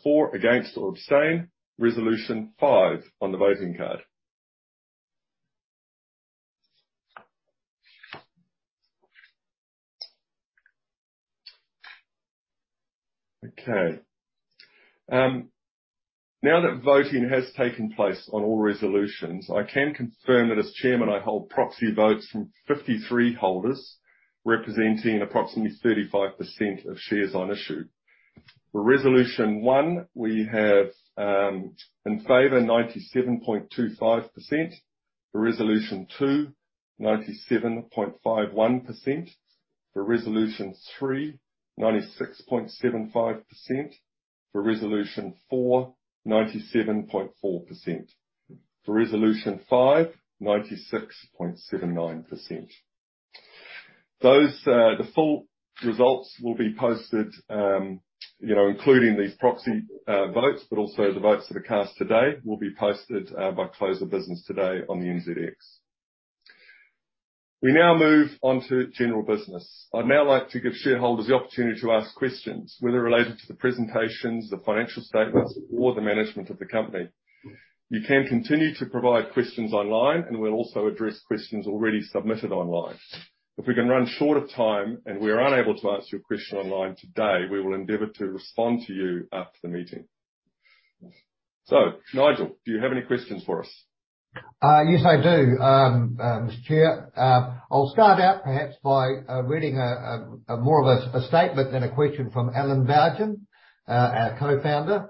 for, against, or abstain resolution five on the voting card. Okay. Now that voting has taken place on all resolutions, I can confirm that as Chairman, I hold proxy votes from 53 holders, representing approximately 35% of shares on issue. For resolution one, we have in favor 97.25%. For resolution two, 97.51%. For resolution three, 96.75%. For resolution four, 97.4%. For resolution five, 96.79%. Those, the full results will be posted, you know, including these proxy votes, but also the votes that are cast today will be posted by close of business today on the NZX. We now move on to general business. I'd now like to give shareholders the opportunity to ask questions whether related to the presentations, the financial statements, or the management of the company. You can continue to provide questions online, and we'll also address questions already submitted online. If we can run short of time and we are unable to answer your question online today, we will endeavor to respond to you after the meeting. Nigel, do you have any questions for us? Yes, I do. Mr. Chair, I'll start out perhaps by reading a more of a statement than a question from Alan Bougen, our co-founder.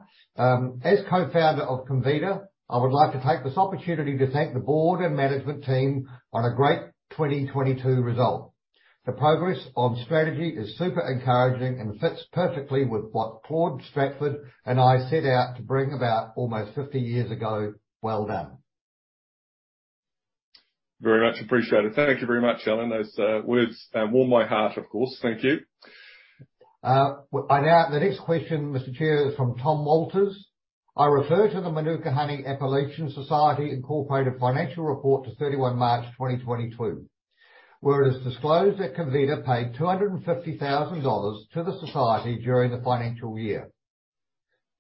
As co-founder of Comvita, I would like to take this opportunity to thank the board and management team on a great 2022 result. The progress on strategy is super encouraging and fits perfectly with what Claude Stratford and I set out to bring about almost 50 years ago. Well done. Very much appreciated. Thank you very much, Alan. Those words warm my heart, of course. Thank you. Now the next question, Mr. Chair, is from Tom Walters. I refer to the Mānuka Honey Appellation Society Incorporated financial report to 31 March 2022, where it is disclosed that Comvita paid 250 thousand dollars to the society during the financial year.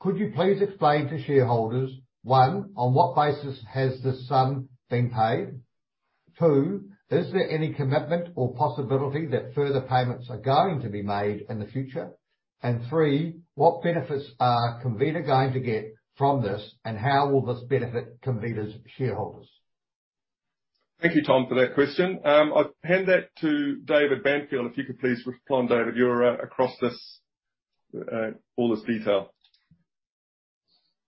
Could you please explain to shareholders, one, on what basis has this sum been paid? Two, is there any commitment or possibility that further payments are going to be made in the future? Three, what benefits are Comvita going to get from this, and how will this benefit Comvita's shareholders? Thank you, Tom, for that question. I'll hand that to David Banfield. If you could please respond, David. You're across this all this detail.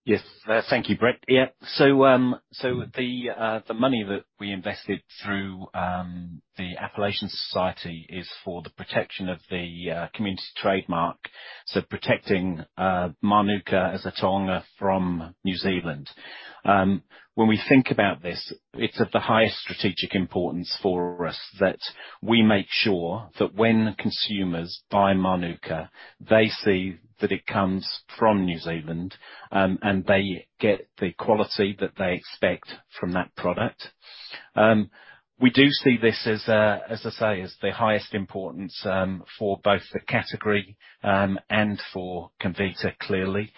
Yes. Thank you, Brett. Yeah. The money that we invested through the Mānuka Honey Appellation Society is for the protection of the community trademark, so protecting Mānuka as a taonga from New Zealand. When we think about this, it's of the highest strategic importance for us that we make sure that when consumers buy Mānuka, they see that it comes from New Zealand, and they get the quality that they expect from that product. We do see this as I say, as the highest importance for both the category and for Comvita, clearly.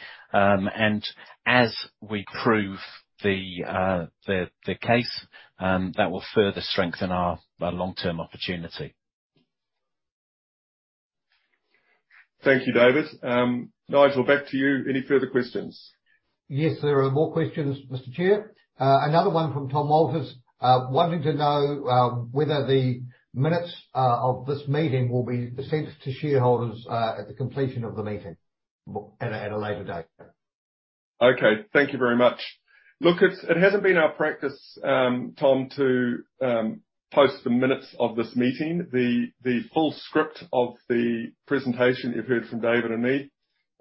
As we prove the case, that will further strengthen our long-term opportunity. Thank you, David. Nigel, back to you. Any further questions? Yes, there are more questions, Mr. Chair. Another one from Tom Walters, wanting to know whether the minutes of this meeting will be sent to shareholders at the completion of the meeting at a later date. Okay. Thank you very much. Look, it hasn't been our practice, Tom, to post the minutes of this meeting. The full script of the presentation you've heard from David and me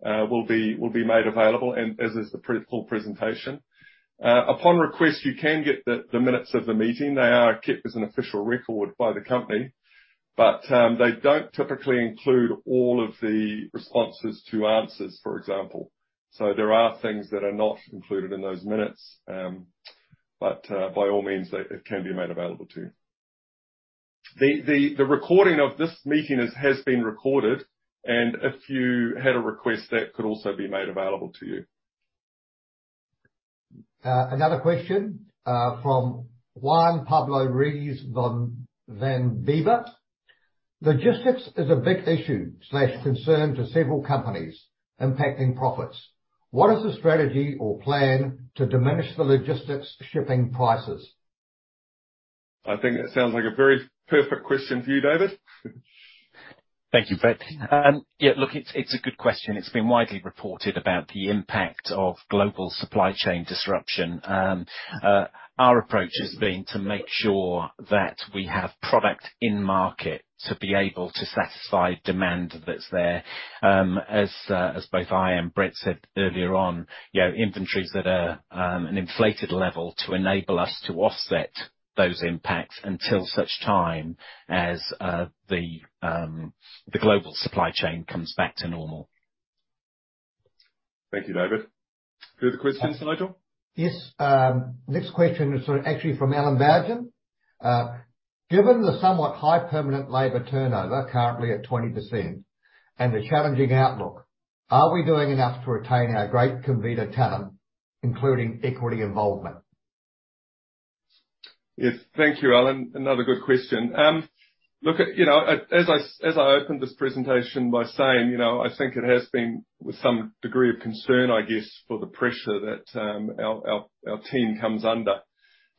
will be made available, as is the full presentation. Upon request, you can get the minutes of the meeting. They are kept as an official record by the company, but they don't typically include all of the responses to answers, for example. There are things that are not included in those minutes. By all means, it can be made available to you. The recording of this meeting has been recorded, and if you had a request that could also be made available to you. Another question from Juan Pablo Reyes van Beever. Logistics is a big issue or concern to several companies impacting profits. What is the strategy or plan to diminish the logistics shipping prices? I think that sounds like a very perfect question for you, David. Thank you, Brett. It's a good question. It's been widely reported about the impact of global supply chain disruption. Our approach has been to make sure that we have product in market to be able to satisfy demand that's there. As both I and Brett said earlier on, inventories that are an inflated level to enable us to offset those impacts until such time as the global supply chain comes back to normal. Thank you, David. Further questions, Nigel? Yes. Next question is from Alan Bougen. Given the somewhat high permanent labor turnover currently at 20% and the challenging outlook, are we doing enough to retain our great Comvita talent, including equity involvement? Yes. Thank you, Alan. Another good question. Look, you know, as I opened this presentation by saying, you know, I think it has been with some degree of concern, I guess, for the pressure that our team comes under.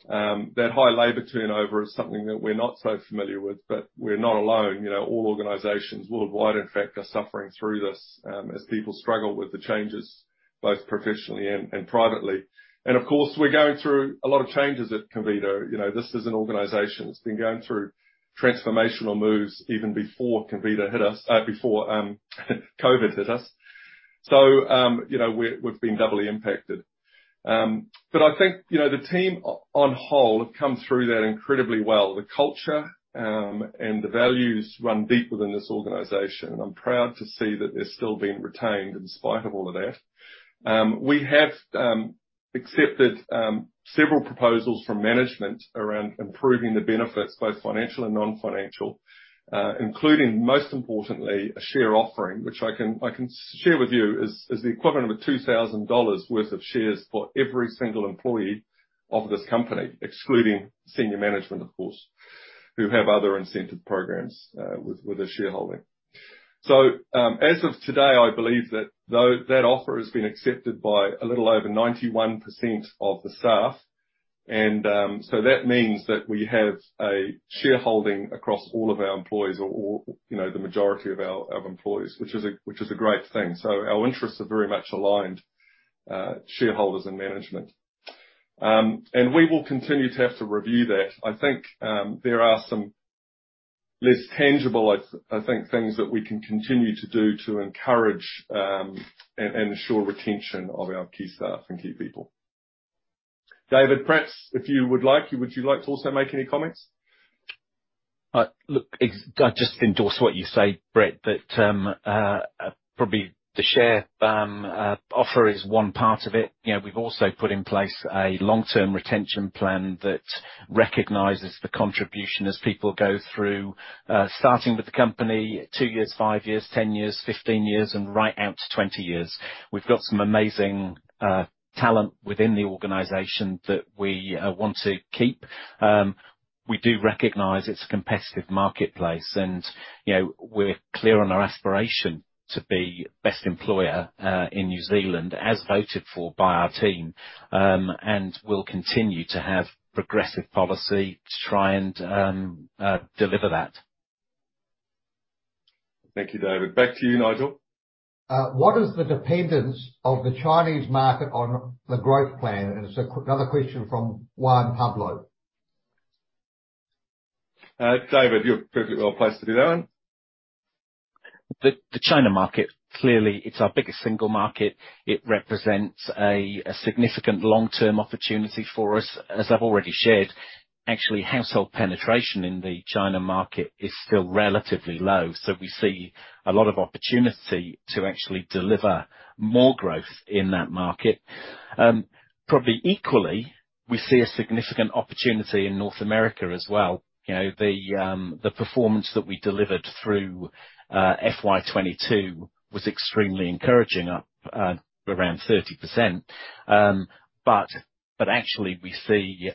That high labor turnover is something that we're not so familiar with, but we're not alone. You know, all organizations worldwide, in fact, are suffering through this, as people struggle with the changes, both professionally and privately. Of course, we're going through a lot of changes at Comvita. You know, this is an organization that's been going through transformational moves even before COVID hit us. You know, we've been doubly impacted. But I think, you know, the team on whole have come through that incredibly well. The culture and the values run deep within this organization, and I'm proud to see that they're still being retained in spite of all of that. We have accepted several proposals from management around improving the benefits, both financial and non-financial, including, most importantly, a share offering, which I can share with you is the equivalent of 2,000 dollars worth of shares for every single employee of this company, excluding senior management, of course, who have other incentive programs, with their shareholding. As of today, I believe that offer has been accepted by a little over 91% of the staff. That means that we have a shareholding across all of our employees or, you know, the majority of our employees, which is a great thing. Our interests are very much aligned, shareholders and management. We will continue to have to review that. I think there are some less tangible things that we can continue to do to encourage and ensure retention of our key staff and key people. David, perhaps if you would like to also make any comments? Look, I just endorse what you say, Brett, that probably the share offer is one part of it. You know, we've also put in place a long-term retention plan that recognizes the contribution as people go through starting with the company two years, five years, 10 years, 15 years, and right out to 20 years. We've got some amazing talent within the organization that we want to keep. We do recognize it's a competitive marketplace, and you know, we're clear on our aspiration to be best employer in New Zealand, as voted for by our team. We'll continue to have progressive policy to try and deliver that. Thank you, David. Back to you, Nigel. What is the dependence of the Chinese market on the growth plan? It's another question from Juan Pablo. David, you're perfectly well placed to do that one. The China market, clearly, it's our biggest single market. It represents a significant long-term opportunity for us. As I've already shared, actually, household penetration in the China market is still relatively low. We see a lot of opportunity to actually deliver more growth in that market. Probably equally, we see a significant opportunity in North America as well. You know, the performance that we delivered through FY 2022 was extremely encouraging, up around 30%. Actually we see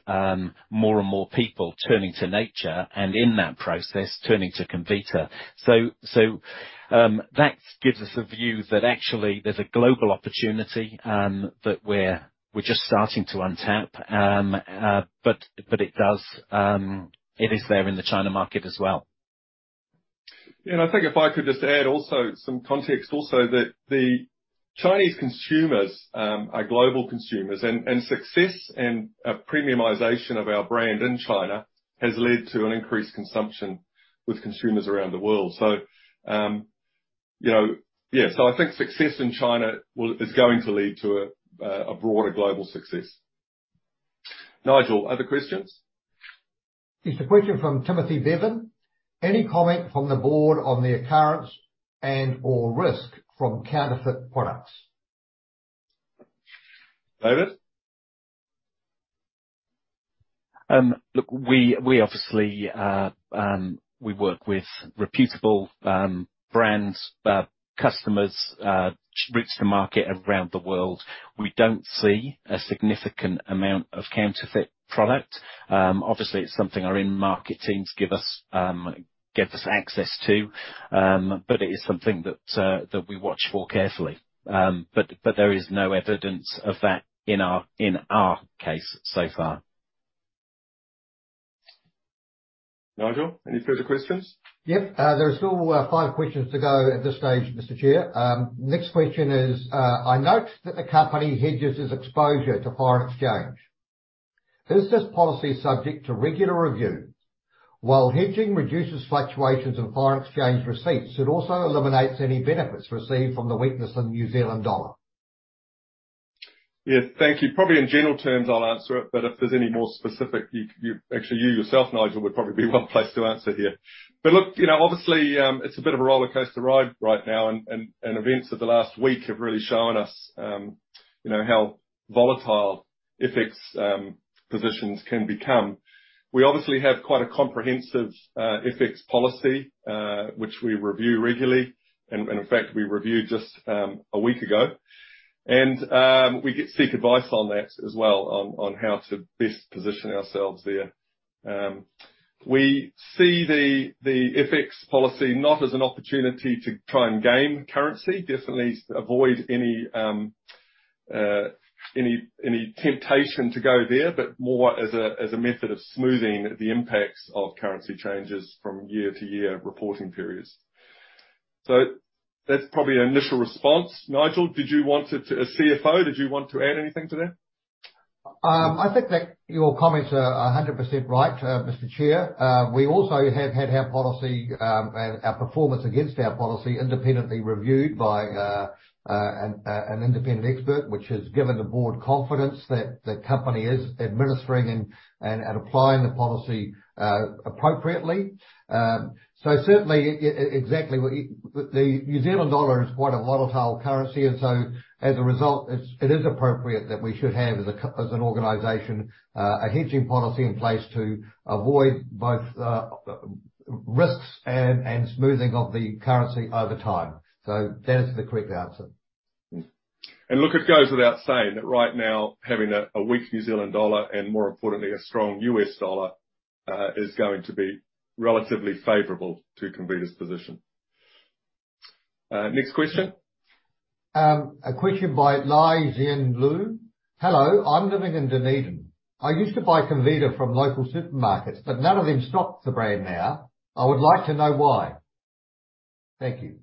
more and more people turning to nature and in that process, turning to Comvita. That gives us a view that actually there's a global opportunity that we're just starting to tap. It is there in the China market as well. I think if I could just add some context that the Chinese consumers are global consumers and success and premiumization of our brand in China has led to an increased consumption with consumers around the world. You know, yeah. I think success in China is going to lead to a broader global success. Nigel, other questions? Yes. A question from Timothy Bevan. Any comment from the board on the occurrence and/or risk from counterfeit products? David? Look, we obviously work with reputable brands customers reach the market around the world. We don't see a significant amount of counterfeit product. Obviously, it's something our in-market teams give us access to. It is something that we watch for carefully. There is no evidence of that in our case so far. Nigel, any further questions? Yep. There are still five questions to go at this stage, Mr. Chair. Next question is, I note that the company hedges its exposure to foreign exchange. Is this policy subject to regular review? While hedging reduces fluctuations in foreign exchange receipts, it also eliminates any benefits received from the weakness in the NZD. Yeah. Thank you. Probably in general terms, I'll answer it, but if there's any more specific, actually, you yourself, Nigel, would probably be one place to answer here. Look, you know, obviously, it's a bit of a rollercoaster ride right now, and events of the last week have really shown us, you know, how volatile FX positions can become. We obviously have quite a comprehensive FX policy, which we review regularly and, in fact, we reviewed just a week ago. We seek advice on that as well on how to best position ourselves there. We see the FX policy not as an opportunity to try and gain currency, definitely avoid any temptation to go there, but more as a method of smoothing the impacts of currency changes from year-to-year reporting periods. That's probably an initial response. Nigel, as CFO, did you want to add anything to that? I think that your comments are 100% right, Mr. Chair. We also have had our policy and our performance against our policy independently reviewed by an independent expert, which has given the board confidence that the company is administering and applying the policy appropriately. The NZD is quite a volatile currency, and so as a result, it is appropriate that we should have as an organization a hedging policy in place to avoid both risks and smoothing of the currency over time. That is the correct answer. Look, it goes without saying that right now, having a weak NZD and more importantly, a strong $, is going to be relatively favorable to Comvita's position. Next question. A question by Li Zhen Lu. "Hello, I'm living in Dunedin. I used to buy Comvita from local supermarkets, but none of them stock the brand now. I would like to know why. Thank you.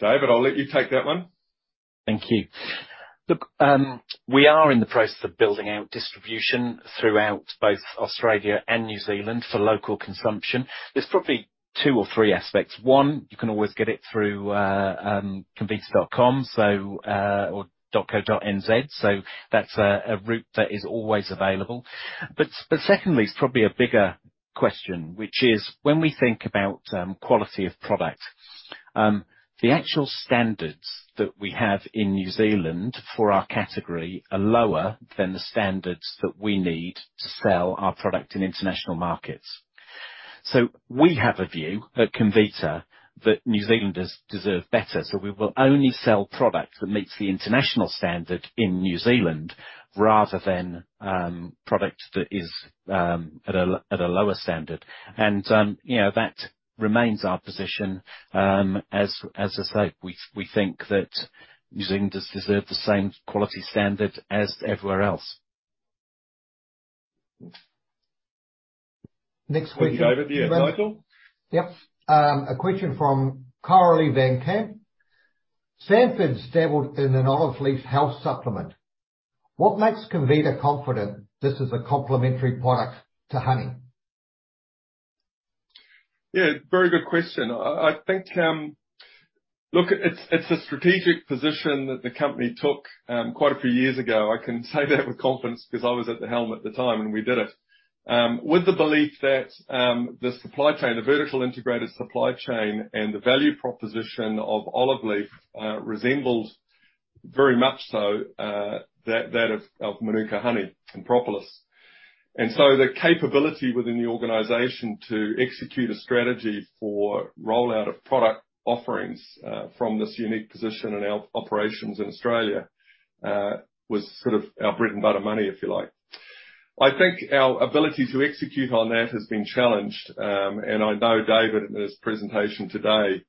David, I'll let you take that one. Thank you. Look, we are in the process of building out distribution throughout both Australia and New Zealand for local consumption. There's probably two or three aspects. One, you can always get it through comvita.com or .co.nz. That's a route that is always available. Secondly, it's probably a bigger question, which is when we think about quality of product, the actual standards that we have in New Zealand for our category are lower than the standards that we need to sell our product in international markets. We have a view at Comvita that New Zealanders deserve better, so we will only sell product that meets the international standard in New Zealand rather than product that is at a lower standard. You know, that remains our position. As I say, we think that New Zealanders deserve the same quality standard as everywhere else. Next question. Thank you, David. Yeah, Nigel. Yep. A question from Coralie van Camp. "Sanford's dabbled in an olive leaf health supplement. What makes Comvita confident this is a complementary product to honey? Yeah, very good question. I think. Look, it's a strategic position that the company took, quite a few years ago. I can say that with confidence 'cause I was at the helm at the time when we did it. With the belief that, the supply chain, the vertically integrated supply chain and the value proposition of Olive Leaf, resembled very much so, that of Mānuka honey and propolis. The capability within the organization to execute a strategy for rollout of product offerings, from this unique position in our operations in Australia, was sort of our bread and butter money, if you like. I think our ability to execute on that has been challenged. I know David, in his presentation today,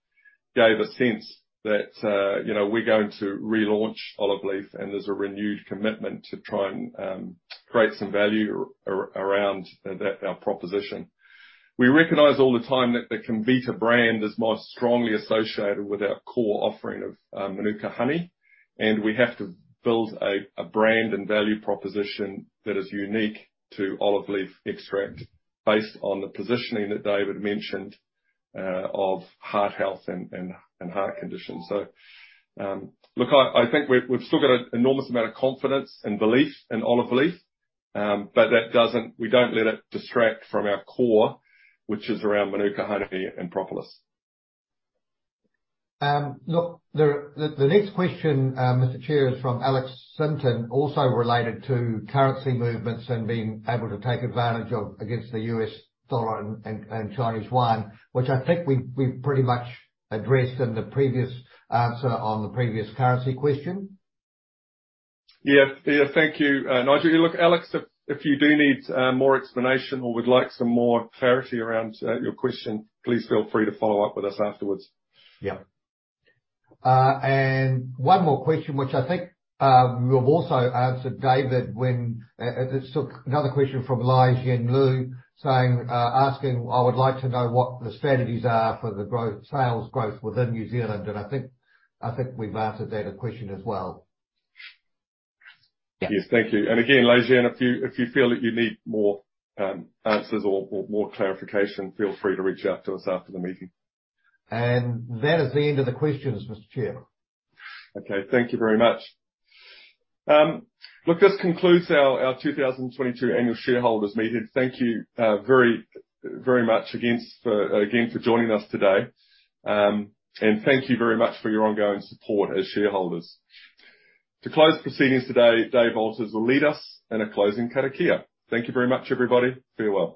gave a sense that, you know, we're going to relaunch Olive Leaf, and there's a renewed commitment to try and create some value around that, our proposition. We recognize all the time that the Comvita brand is most strongly associated with our core offering of, Mānuka honey, and we have to build a brand and value proposition that is unique to Olive Leaf Extract based on the positioning that David mentioned, of heart health and heart conditions. Look, I think we've still got an enormous amount of confidence and belief in Olive Leaf, but that doesn't. We don't let it distract from our core, which is around Mānuka honey and propolis. Look, the next question, Mr. Chair, is from Alex Sinton, also related to currency movements and being able to take advantage of against the US dollar and Chinese yuan, which I think we've pretty much addressed in the previous answer on the previous currency question. Yeah. Thank you, Nigel. Look, Alex, if you do need more explanation or would like some more clarity around your question, please feel free to follow up with us afterwards. Yeah. One more question, which I think you have also answered, David. This is another question from Li Zhen Lu, saying, asking, "I would like to know what the strategies are for the growth, sales growth within New Zealand." I think we've answered that question as well. Yes. Thank you. Again, Li Zhen, if you feel that you need more answers or more clarification, feel free to reach out to us after the meeting. That is the end of the questions, Mr. Chair. Okay. Thank you very much. Look, this concludes our 2022 annual shareholders meeting. Thank you very, very much once again for joining us today. Thank you very much for your ongoing support as shareholders. To close proceedings today, Dave Alter will lead us in a closing karakia. Thank you very much, everybody. Farewell.